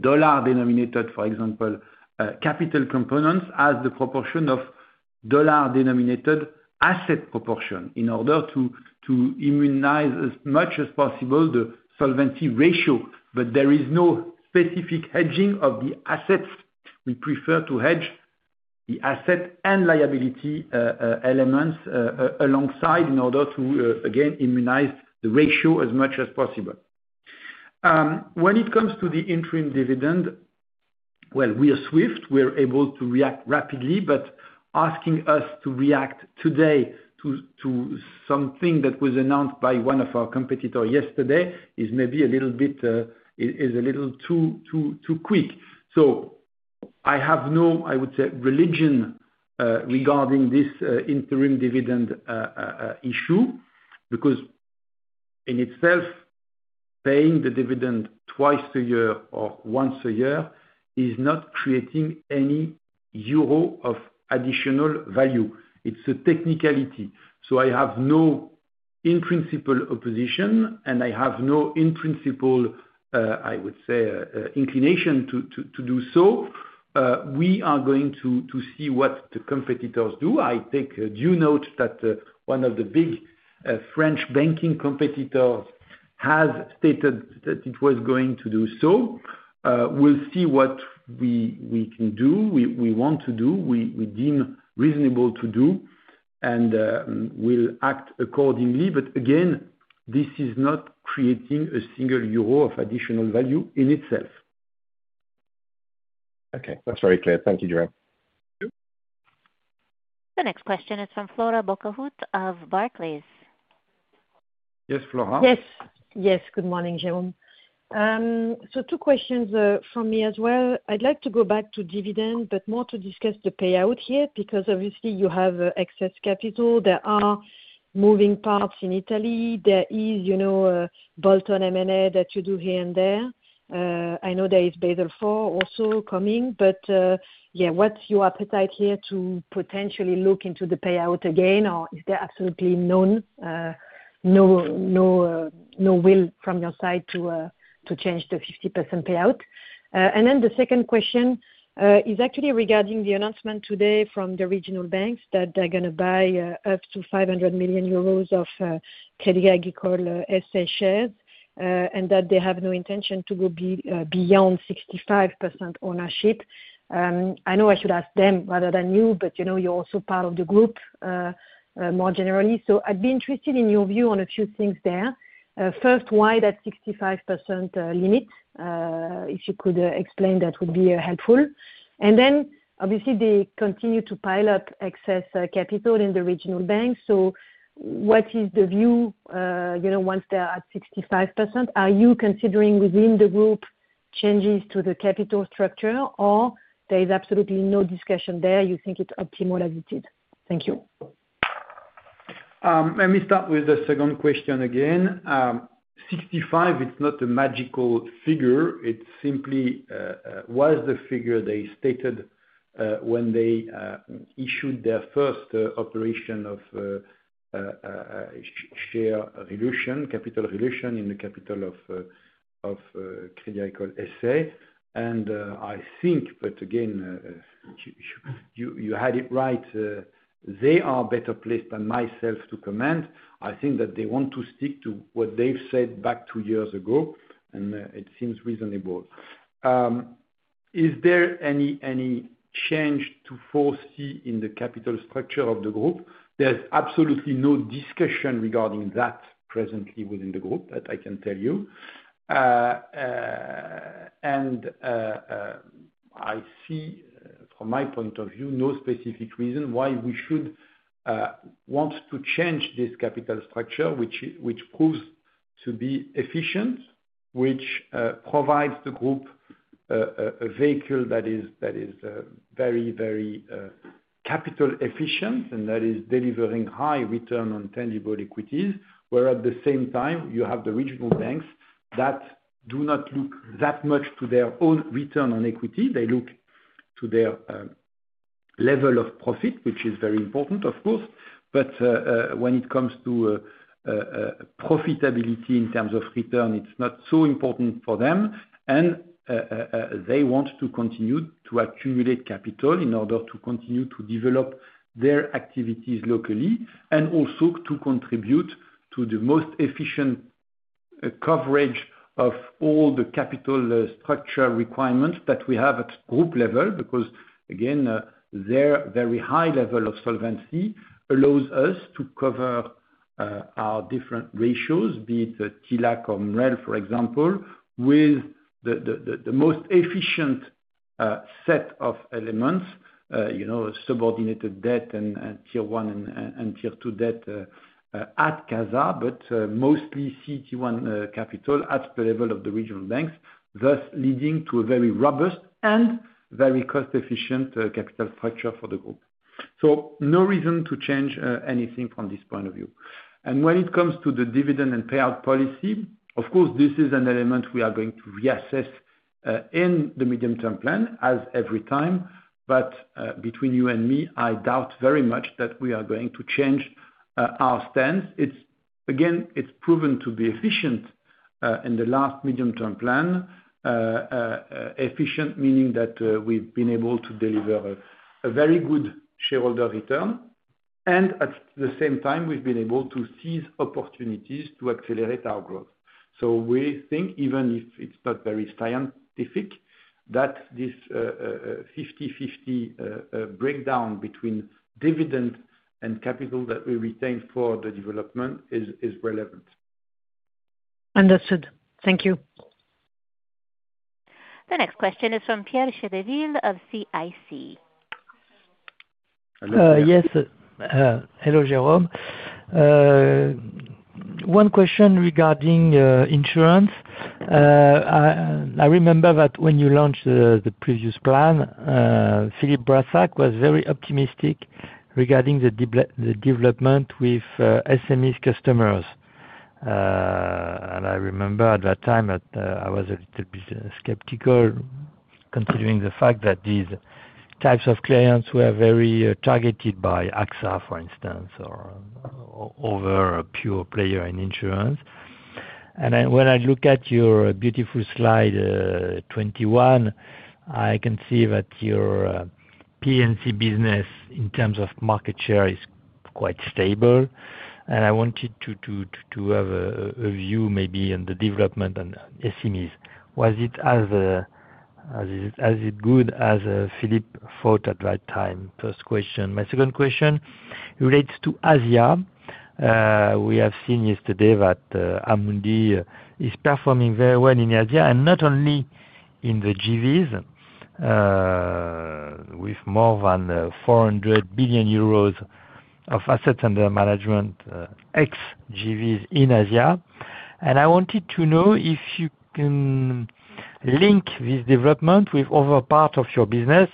dollar-denominated, for example, capital components as the proportion of dollar-denominated asset proportion in order to immunize as much as possible the solvency ratio. But there is no specific hedging of the assets. We prefer to hedge the asset and liability elements alongside in order to, again, immunize the ratio as much as possible. When it comes to the interim dividend, well, we are swift. We're able to react rapidly, but asking us to react today to something that was announced by one of our competitors yesterday is maybe a little too quick. So I have no, I would say, religion regarding this interim dividend issue because in itself, paying the dividend twice a year or once a year is not creating any euro of additional value. It's a technicality. So I have no in-principle opposition, and I have no in-principle, I would say, inclination to do so. We are going to see what the competitors do. I take due note that one of the big French banking competitors has stated that it was going to do so. We'll see what we can do, we want to do, we deem reasonable to do, and we'll act accordingly. But again, this is not creating a single euro of additional value in itself. Okay. That's very clear. Thank you, Jérôme. Thank you. The next question is from Flora Bocahut of Barclays. Yes, Flora? Yes. Yes. Good morning, Jérôme. So two questions from me as well. I'd like to go back to dividend, but more to discuss the payout here because obviously, you have excess capital. There are moving parts in Italy. There is bolt-on M&A that you do here and there. I know there is Basel IV also coming. But yeah, what's your appetite here to potentially look into the payout again, or is there absolutely no will from your side to change the 50% payout? And then the second question is actually regarding the announcement today from the regional banks that they're going to buy up to 500 million euros of Crédit Agricole S.A. shares and that they have no intention to go beyond 65% ownership. I know I should ask them rather than you, but you're also part of the group more generally. So I'd be interested in your view on a few things there. First, why that 65% limit? If you could explain, that would be helpful. And then, obviously, they continue to pile up excess capital in the regional banks. So what is the view once they're at 65%? Are you considering within the group changes to the capital structure, or there is absolutely no discussion there? You think it's optimal as it is? Thank you. Let me start with the second question again. 65, it's not a magical figure. It simply was the figure they stated when they issued their first operation of share reduction, capital reduction in the capital of Crédit Agricole S.A. And I think, but again, you had it right, they are better placed than myself to comment. I think that they want to stick to what they've said back two years ago, and it seems reasonable. Is there any change to foresee in the capital structure of the group? There's absolutely no discussion regarding that presently within the group, that I can tell you. I see, from my point of view, no specific reason why we should want to change this capital structure, which proves to be efficient, which provides the group a vehicle that is very, very capital efficient and that is delivering high return on tangible equity, where at the same time, you have the regional banks that do not look that much to their own return on equity. They look to their level of profit, which is very important, of course. But when it comes to profitability in terms of return, it's not so important for them. And they want to continue to accumulate capital in order to continue to develop their activities locally and also to contribute to the most efficient coverage of all the capital structure requirements that we have at group level because, again, their very high level of solvency allows us to cover our different ratios, be it TLAC or MREL, for example, with the most efficient set of elements, subordinated debt and tier one and tier two debt at CASA, but mostly CET1 capital at the level of the regional banks, thus leading to a very robust and very cost-efficient capital structure for the group. So no reason to change anything from this point of view. And when it comes to the dividend and payout policy, of course, this is an element we are going to reassess in the medium-term plan, as every time. But between you and me, I doubt very much that we are going to change our stance. Again, it's proven to be efficient in the last medium-term plan, efficient meaning that we've been able to deliver a very good shareholder return. And at the same time, we've been able to seize opportunities to accelerate our growth. So we think, even if it's not very scientific, that this 50/50 breakdown between dividend and capital that we retain for the development is relevant. Understood. Thank you. The next question is from Pierre Chedeville of CIC. Yes. Hello, Jérôme. One question regarding insurance. I remember that when you launched the previous plan, Philippe Brassac was very optimistic regarding the development with SMEs customers. I remember at that time that I was a little bit skeptical, considering the fact that these types of clients were very targeted by AXA, for instance, or other pure player in insurance. When I look at your beautiful slide 21, I can see that your P&C business in terms of market share is quite stable. I wanted to have a view maybe on the development and SMEs. Was it as good as Philippe thought at that time? First question. My second question relates to Asia. We have seen yesterday that Amundi is performing very well in Asia, and not only in the JVs, with more than 400 billion euros of assets under management, ex-JVs in Asia. And I wanted to know if you can link this development with other parts of your business,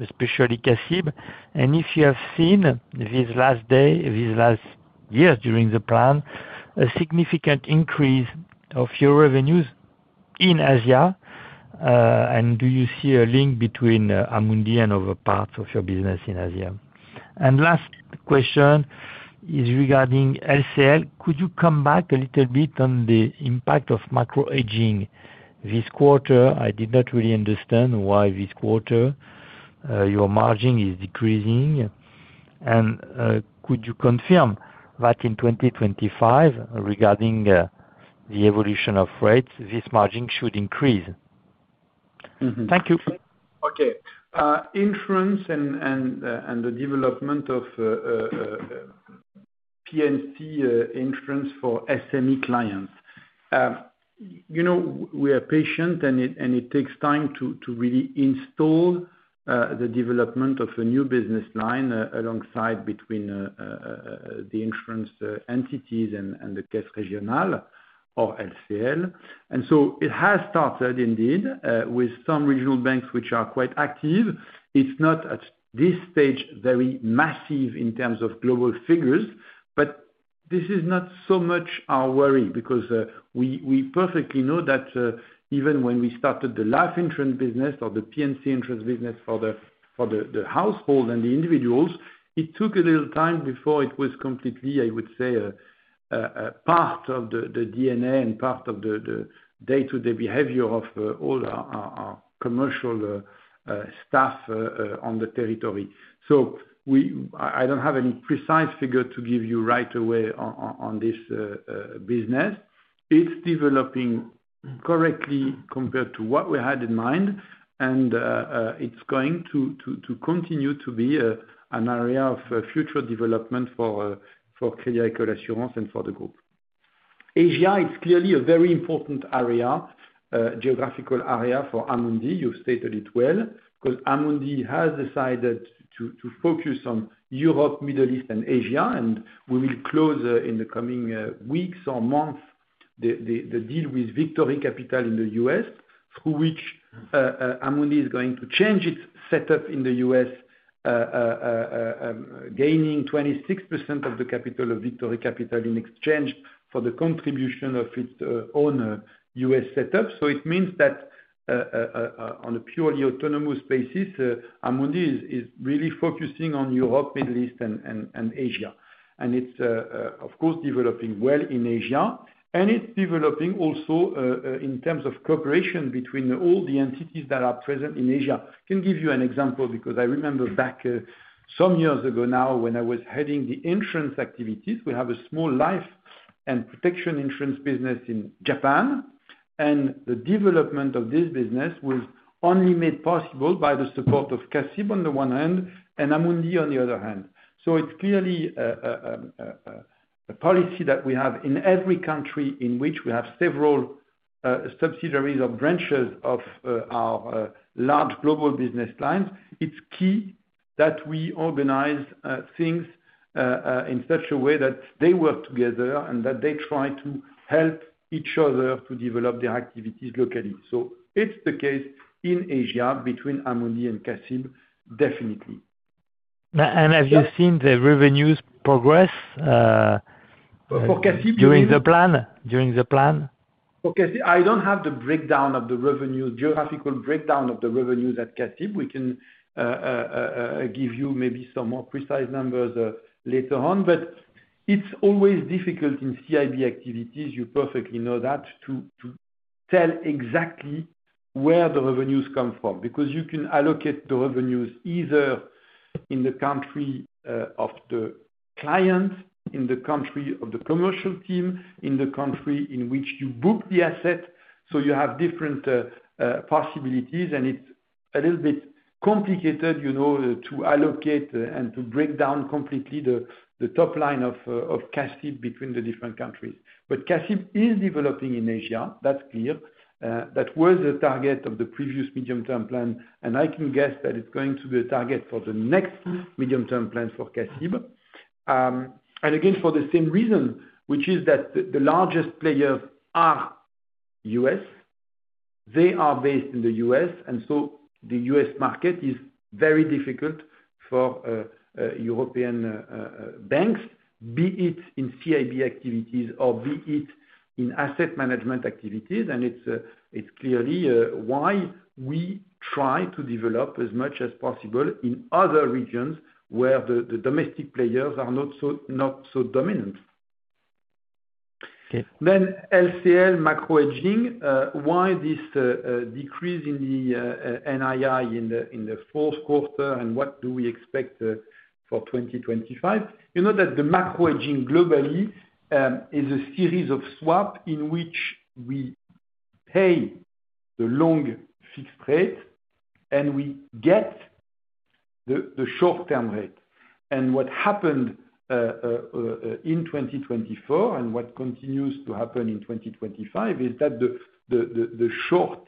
especially CACIB, and if you have seen these last years during the plan, a significant increase of your revenues in Asia. And do you see a link between Amundi and other parts of your business in Asia? And last question is regarding LCL. Could you come back a little bit on the impact of macro-hedging this quarter? I did not really understand why this quarter your margin is decreasing. And could you confirm that in 2025, regarding the evolution of rates, this margin should increase? Thank you. Okay. Insurance and the development of P&C insurance for SME clients. We are patient, and it takes time to really install the development of a new business line alongside between the insurance entities and the Caisse Régionale or LCL. And so it has started indeed with some regional banks which are quite active. It's not at this stage very massive in terms of global figures, but this is not so much our worry because we perfectly know that even when we started the life insurance business or the P&C insurance business for the household and the individuals, it took a little time before it was completely, I would say, part of the DNA and part of the day-to-day behavior of all our commercial staff on the territory. So I don't have any precise figure to give you right away on this business. It's developing correctly compared to what we had in mind, and it's going to continue to be an area of future development for Crédit Agricole Assurances and for the group. Asia, it's clearly a very important geographical area for Amundi. You've stated it well because Amundi has decided to focus on Europe, Middle East, and Asia, and we will close in the coming weeks or months the deal with Victory Capital in the U.S., through which Amundi is going to change its setup in the U.S., gaining 26% of the capital of Victory Capital in exchange for the contribution of its own U.S. setup. So it means that on a purely autonomous basis, Amundi is really focusing on Europe, Middle East, and Asia. And it's, of course, developing well in Asia, and it's developing also in terms of cooperation between all the entities that are present in Asia. I can give you an example because I remember back some years ago now when I was heading the insurance activities. We have a small life and protection insurance business in Japan, and the development of this business was only made possible by the support of CACIB on the one hand and Amundi on the other hand. So it's clearly a policy that we have in every country in which we have several subsidiaries or branches of our large global business lines. It's key that we organize things in such a way that they work together and that they try to help each other to develop their activities locally. So it's the case in Asia between Amundi and CACIB, definitely. And have you seen the revenues progress during the plan? I don't have the breakdown of the revenues, geographical breakdown of the revenues at CACIB. We can give you maybe some more precise numbers later on, but it's always difficult in CIB activities, you perfectly know that, to tell exactly where the revenues come from because you can allocate the revenues either in the country of the client, in the country of the commercial team, in the country in which you book the asset. So you have different possibilities, and it's a little bit complicated to allocate and to break down completely the top line of CACIB between the different countries. But CACIB is developing in Asia, that's clear. That was the target of the previous medium-term plan, and I can guess that it's going to be a target for the next medium-term plan for CACIB. And again, for the same reason, which is that the largest players are U.S. They are based in the U.S., and so the U.S. market is very difficult for European banks, be it in CIB activities or be it in asset management activities. And it's clearly why we try to develop as much as possible in other regions where the domestic players are not so dominant. Then LCL macro-hedging, why this decrease in the NII in the fourth quarter, and what do we expect for 2025? You know that the macro-hedging globally is a series of swaps in which we pay the long fixed rate, and we get the short-term rate. And what happened in 2024 and what continues to happen in 2025 is that the short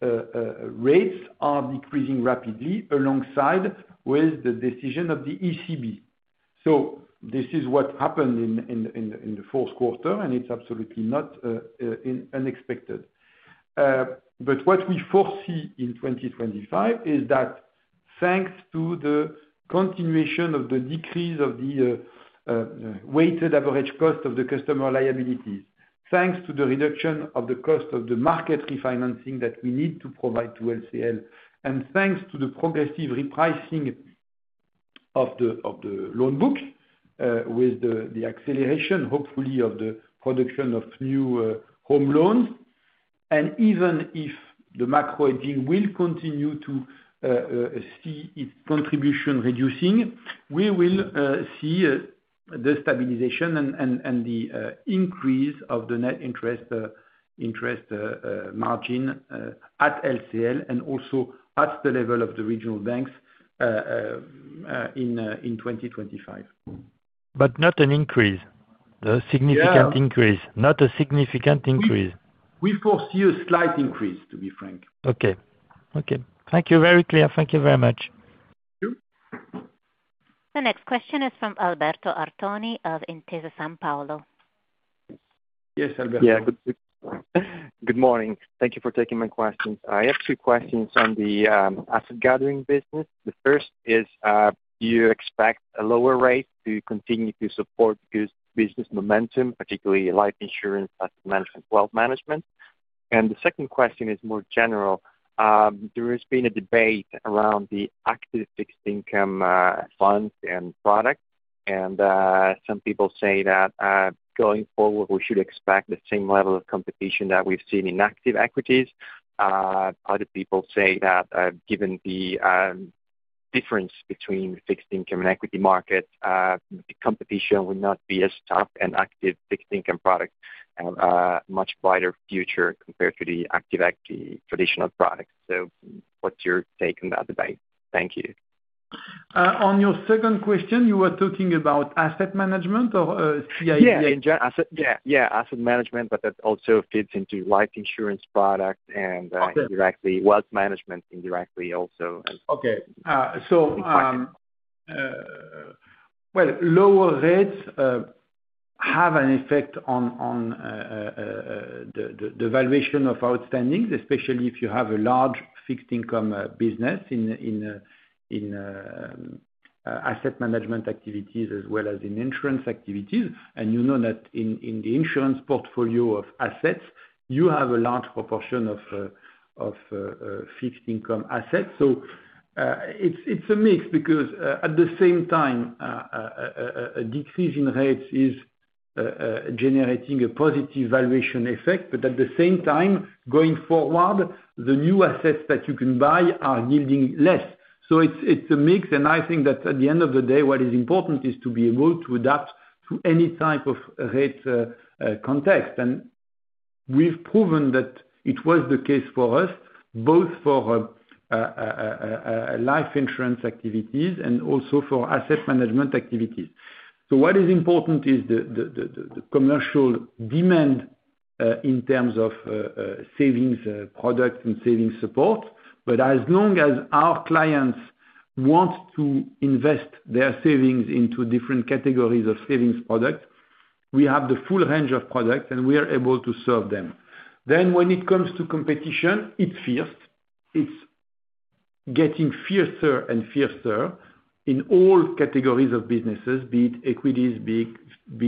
rates are decreasing rapidly alongside with the decision of the ECB. So this is what happened in the fourth quarter, and it's absolutely not unexpected. But what we foresee in 2025 is that thanks to the continuation of the decrease of the weighted average cost of the customer liabilities, thanks to the reduction of the cost of the market refinancing that we need to provide to LCL, and thanks to the progressive repricing of the loan book with the acceleration, hopefully, of the production of new home loans. And even if the macro-hedging will continue to see its contribution reducing, we will see the stabilization and the increase of the net interest margin at LCL and also at the level of the regional banks in 2025. But not an increase, a significant increase, not a significant increase. We foresee a slight increase, to be frank. Okay. Okay. Thank you. Very clear. Thank you very much. Thank you. The next question is from Alberto Artoni of Intesa Sanpaolo. Yes, Alberto. Good morning. Thank you for taking my questions. I have two questions on the asset gathering business. The first is, do you expect a lower rate to continue to support business momentum, particularly life insurance, asset management, wealth management? And the second question is more general. There has been a debate around the active fixed income funds and products, and some people say that going forward, we should expect the same level of competition that we've seen in active equities. Other people say that given the difference between fixed income and equity markets, the competition would not be as tough, and active fixed income products have a much brighter future compared to the active equity traditional products. So what's your take on that debate? Thank you. On your second question, you were talking about asset management or CIB? Yeah, in general. Yeah, asset management, but that also fits into life insurance products and directly wealth management indirectly also. Okay, so lower rates have an effect on the valuation of outstandings, especially if you have a large fixed income business in asset management activities as well as in insurance activities, and you know that in the insurance portfolio of assets, you have a large proportion of fixed income assets. So it's a mix because at the same time, a decrease in rates is generating a positive valuation effect, but at the same time, going forward, the new assets that you can buy are yielding less, so it's a mix, and I think that at the end of the day, what is important is to be able to adapt to any type of rate context. We've proven that it was the case for us, both for life insurance activities and also for asset management activities. What is important is the commercial demand in terms of savings products and savings support. As long as our clients want to invest their savings into different categories of savings products, we have the full range of products, and we are able to serve them. When it comes to competition, it's fierce. It's getting fiercer and fiercer in all categories of businesses, be it equities, be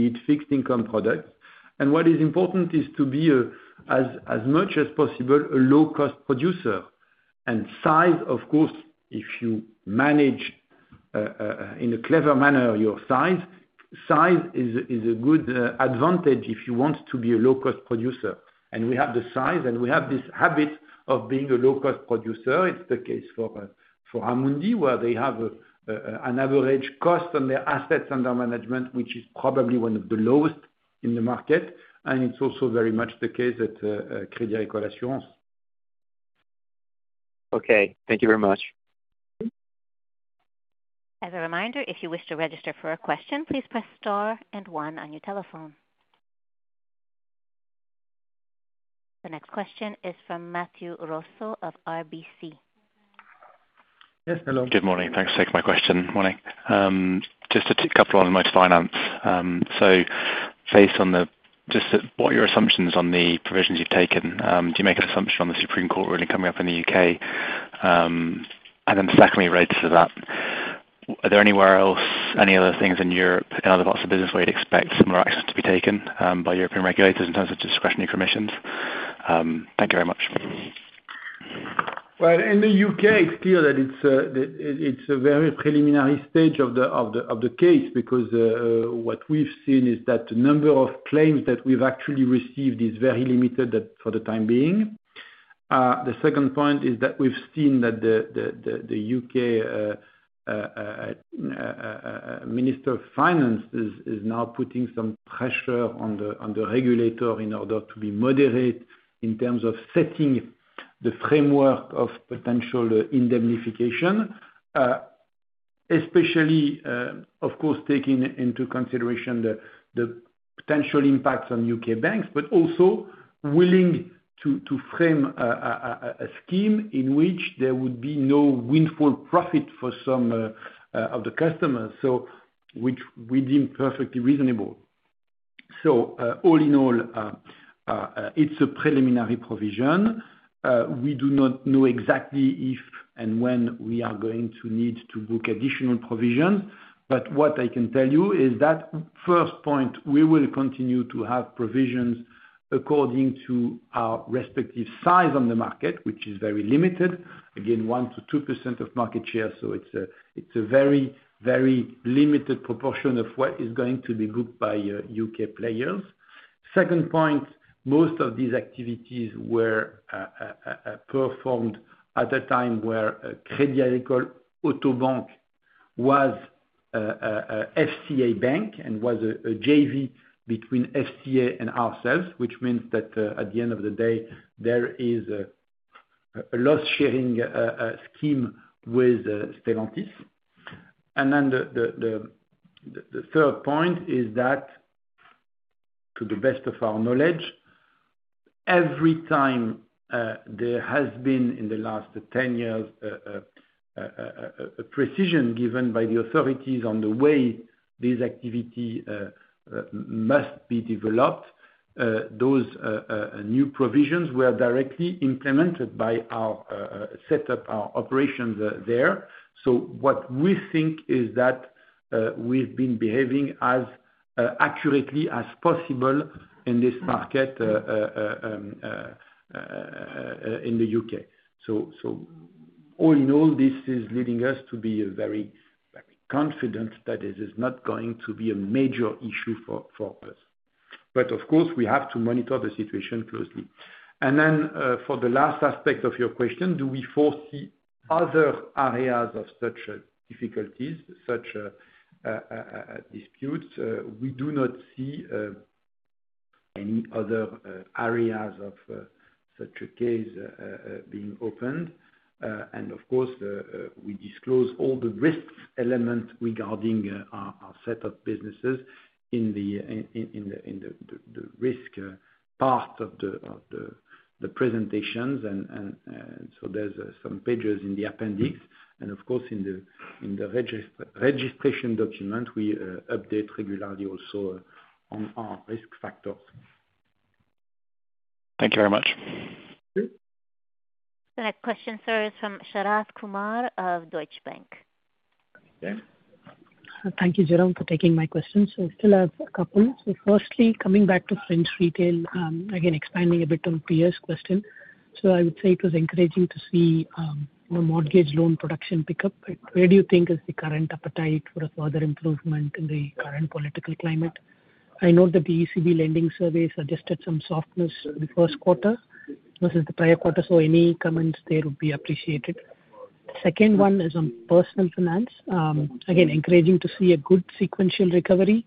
it fixed income products. What is important is to be as much as possible a low-cost producer. Size, of course, if you manage in a clever manner your size, size is a good advantage if you want to be a low-cost producer. We have the size, and we have this habit of being a low-cost producer. It's the case for Amundi, where they have an average cost on their assets under management, which is probably one of the lowest in the market. And it's also very much the case at Crédit Agricole Assurances. Okay. Thank you very much. As a reminder, if you wish to register for a question, please press star and one on your telephone. The next question is from Matthew Rosso of RBC. Yes, hello. Good morning. Thanks for taking my question. Morning. Just a couple on consumer finance. So based on just what your assumptions on the provisions you've taken, do you make an assumption on the Supreme Court ruling coming up in the U.K.? And then secondly, related to that, are there anywhere else, any other things in Europe, in other parts of the business where you'd expect similar actions to be taken by European regulators in terms of discretionary commissions? Thank you very much. In the U.K., it's clear that it's a very preliminary stage of the case because what we've seen is that the number of claims that we've actually received is very limited for the time being. The second point is that we've seen that the U.K. Minister of Finance is now putting some pressure on the regulator in order to be moderate in terms of setting the framework of potential indemnification, especially, of course, taking into consideration the potential impacts on U.K. banks, but also willing to frame a scheme in which there would be no windfall profit for some of the customers, which we deem perfectly reasonable. All in all, it's a preliminary provision. We do not know exactly if and when we are going to need to book additional provisions, but what I can tell you is that first point, we will continue to have provisions according to our respective size on the market, which is very limited, again, 1%-2% of market share. So it's a very, very limited proportion of what is going to be booked by U.K. players. Second point, most of these activities were performed at a time where Crédit Agricole Auto Bank was FCA Bank and was a JV between FCA and ourselves, which means that at the end of the day, there is a loss-sharing scheme with Stellantis. And then the third point is that, to the best of our knowledge, every time there has been, in the last 10 years, a precision given by the authorities on the way these activities must be developed, those new provisions were directly implemented by our setup, our operations there. So what we think is that we've been behaving as accurately as possible in this market in the U.K. So all in all, this is leading us to be very confident that this is not going to be a major issue for us. But of course, we have to monitor the situation closely. And then for the last aspect of your question, do we foresee other areas of such difficulties, such disputes? We do not see any other areas of such a case being opened. Of course, we disclose all the risk elements regarding our set of businesses in the risk part of the presentations. So there's some pages in the appendix. Of course, in the registration document, we update regularly also on our risk factors. Thank you very much. The next question, sir, is from Sharath Kumar of Deutsche Bank. Thank you, Jérôme, for taking my questions. I still have a couple. Firstly, coming back to French retail, again, expanding a bit on Pierre's question. I would say it was encouraging to see more mortgage loan production pick up. Where do you think is the current appetite for a further improvement in the current political climate? I note that the ECB lending survey suggested some softness in the first quarter versus the prior quarter, so any comments there would be appreciated. Second one is on personal finance. Again, encouraging to see a good sequential recovery,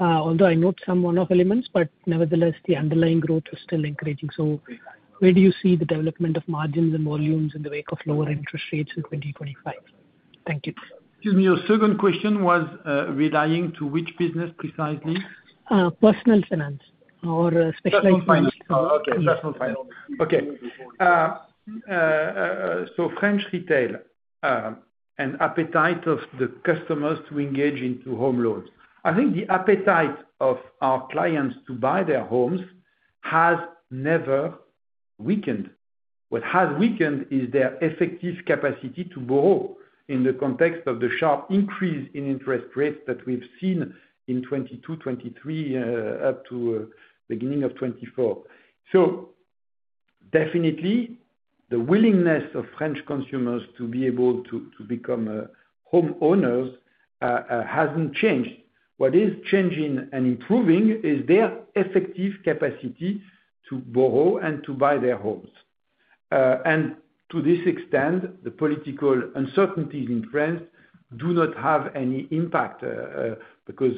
although I note some one-off elements, but nevertheless, the underlying growth is still encouraging. So where do you see the development of margins and volumes in the wake of lower interest rates in 2025? Thank you. Excuse me, your second question was relating to which business precisely? Personal finance or specialized finance. Okay. Personal finance. Okay. So French retail and appetite of the customers to engage into home loans. I think the appetite of our clients to buy their homes has never weakened. What has weakened is their effective capacity to borrow in the context of the sharp increase in interest rates that we've seen in 2022, 2023, up to the beginning of 2024. So definitely, the willingness of French consumers to be able to become homeowners hasn't changed. What is changing and improving is their effective capacity to borrow and to buy their homes, and to this extent, the political uncertainties in France do not have any impact because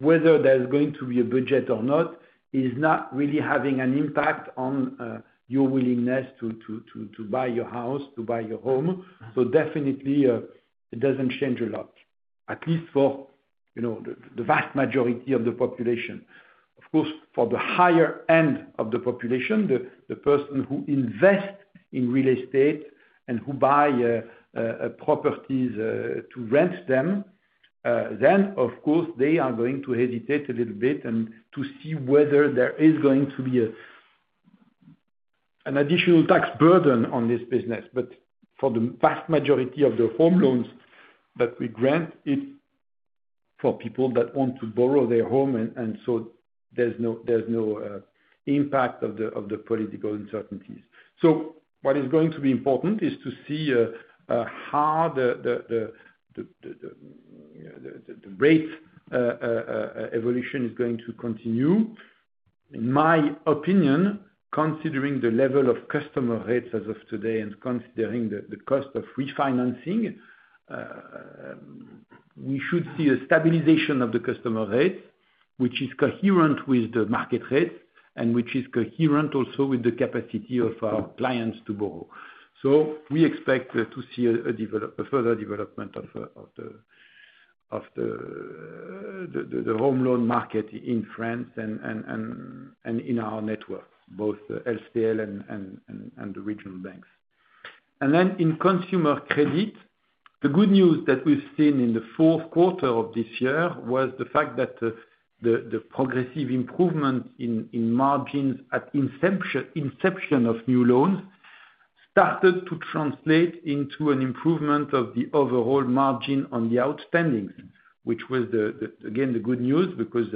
whether there's going to be a budget or not is not really having an impact on your willingness to buy your house, to buy your home, so definitely, it doesn't change a lot, at least for the vast majority of the population. Of course, for the higher end of the population, the person who invests in real estate and who buys properties to rent them, then, of course, they are going to hesitate a little bit and to see whether there is going to be an additional tax burden on this business. But for the vast majority of the home loans that we grant, it's for people that want to borrow their home, and so there's no impact of the political uncertainties. So what is going to be important is to see how the rate evolution is going to continue. In my opinion, considering the level of customer rates as of today and considering the cost of refinancing, we should see a stabilization of the customer rates, which is coherent with the market rates and which is coherent also with the capacity of our clients to borrow. So we expect to see a further development of the home loan market in France and in our network, both LCL and the regional banks. Then in consumer credit, the good news that we've seen in the fourth quarter of this year was the fact that the progressive improvement in margins at inception of new loans started to translate into an improvement of the overall margin on the outstandings, which was, again, the good news because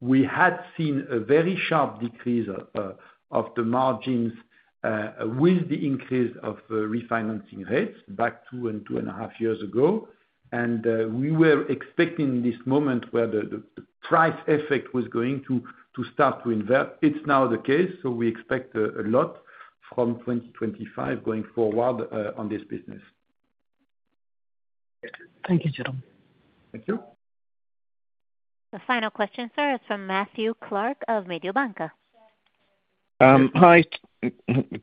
we had seen a very sharp decrease of the margins with the increase of refinancing rates back two and two and a half years ago. We were expecting this moment where the price effect was going to start to invert. It's now the case, so we expect a lot from 2025 going forward on this business. Thank you, Jérôme. Thank you. The final question, sir, is from Matthew Clark of Mediobanca. Hi.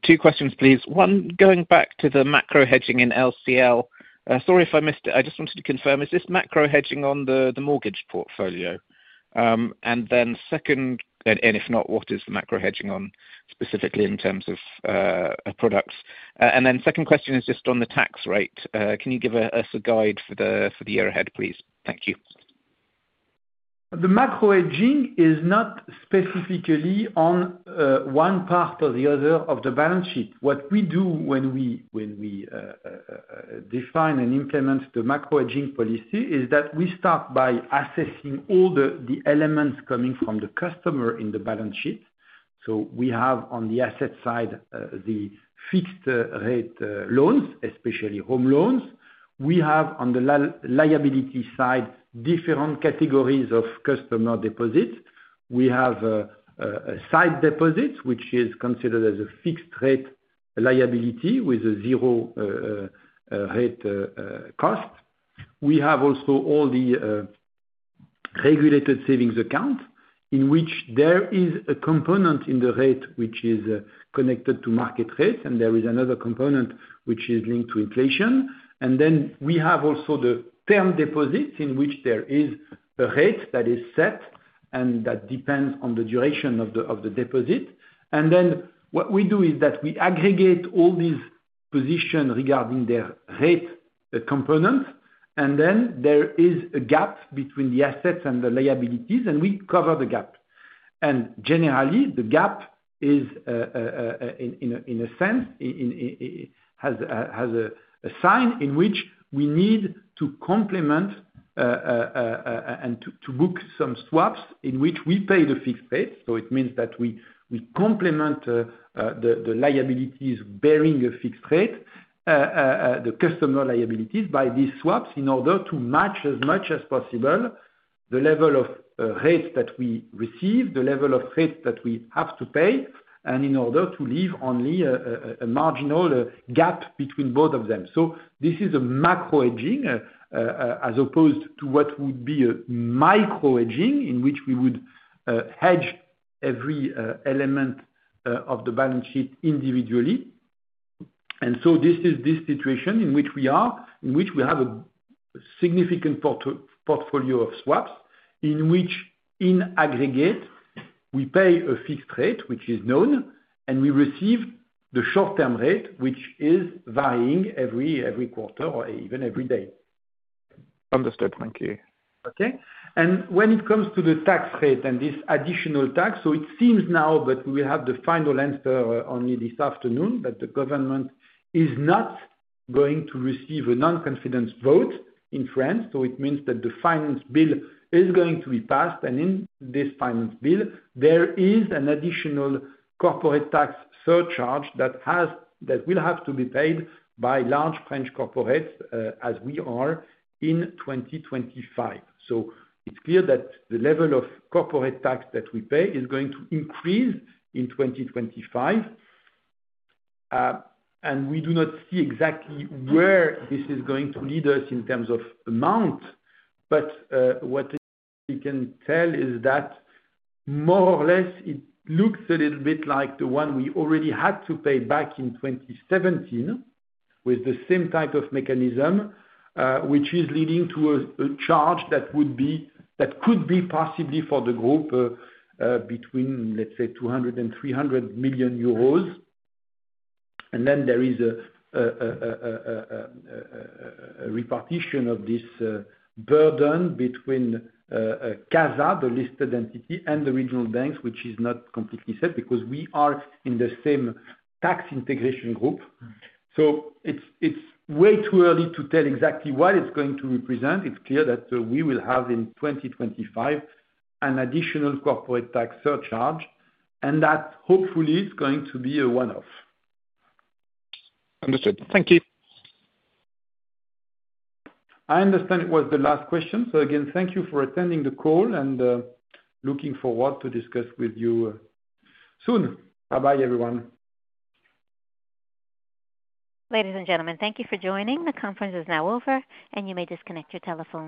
Two questions, please. One, going back to the macro-hedging in LCL. Sorry if I missed it. I just wanted to confirm. Is this macro hedging on the mortgage portfolio? And then second, and if not, what is the macro hedging on specifically in terms of products? And then second question is just on the tax rate. Can you give us a guide for the year ahead, please? Thank you. The macro hedging is not specifically on one part or the other of the balance sheet. What we do when we define and implement the macro hedging policy is that we start by assessing all the elements coming from the customer in the balance sheet. So we have on the asset side the fixed-rate loans, especially home loans. We have on the liability side different categories of customer deposits. We have sight deposits, which is considered as a fixed-rate liability with a zero-rate cost. We have also all the regulated savings accounts in which there is a component in the rate which is connected to market rates, and there is another component which is linked to inflation. And then we have also the term deposits in which there is a rate that is set and that depends on the duration of the deposit. And then what we do is that we aggregate all these positions regarding their rate components, and then there is a gap between the assets and the liabilities, and we cover the gap. And generally, the gap is, in a sense, has a sign in which we need to complement and to book some swaps in which we pay the fixed rate. So it means that we complement the liabilities bearing a fixed rate, the customer liabilities by these swaps in order to match as much as possible the level of rates that we receive, the level of rates that we have to pay, and in order to leave only a marginal gap between both of them. So this is a macro hedging as opposed to what would be a micro hedging in which we would hedge every element of the balance sheet individually. And so this is the situation in which we are, in which we have a significant portfolio of swaps in which, in aggregate, we pay a fixed rate, which is known, and we receive the short-term rate, which is varying every quarter or even every day. Understood. Thank you. Okay. When it comes to the tax rate and this additional tax, so it seems now that we will have the final answer only this afternoon, that the government is not going to receive a non-confidence vote in France. It means that the finance bill is going to be passed. In this finance bill, there is an additional corporate tax surcharge that will have to be paid by large French corporates as we are in 2025. It's clear that the level of corporate tax that we pay is going to increase in 2025. We do not see exactly where this is going to lead us in terms of amount, but what we can tell is that more or less it looks a little bit like the one we already had to pay back in 2017 with the same type of mechanism, which is leading to a charge that could be possibly for the group between, let's say, 200 million euros and 300 million euros. And then there is a repartition of this burden between CASA, the listed entity, and the regional banks, which is not completely set because we are in the same tax integration group. So it's way too early to tell exactly what it's going to represent. It's clear that we will have in 2025 an additional corporate tax surcharge, and that hopefully is going to be a one-off. Understood. Thank you. I understand it was the last question. So again, thank you for attending the call and looking forward to discussing with you soon. Bye-bye, everyone. Ladies and gentlemen, thank you for joining. The conference is now over, and you may disconnect your telephone.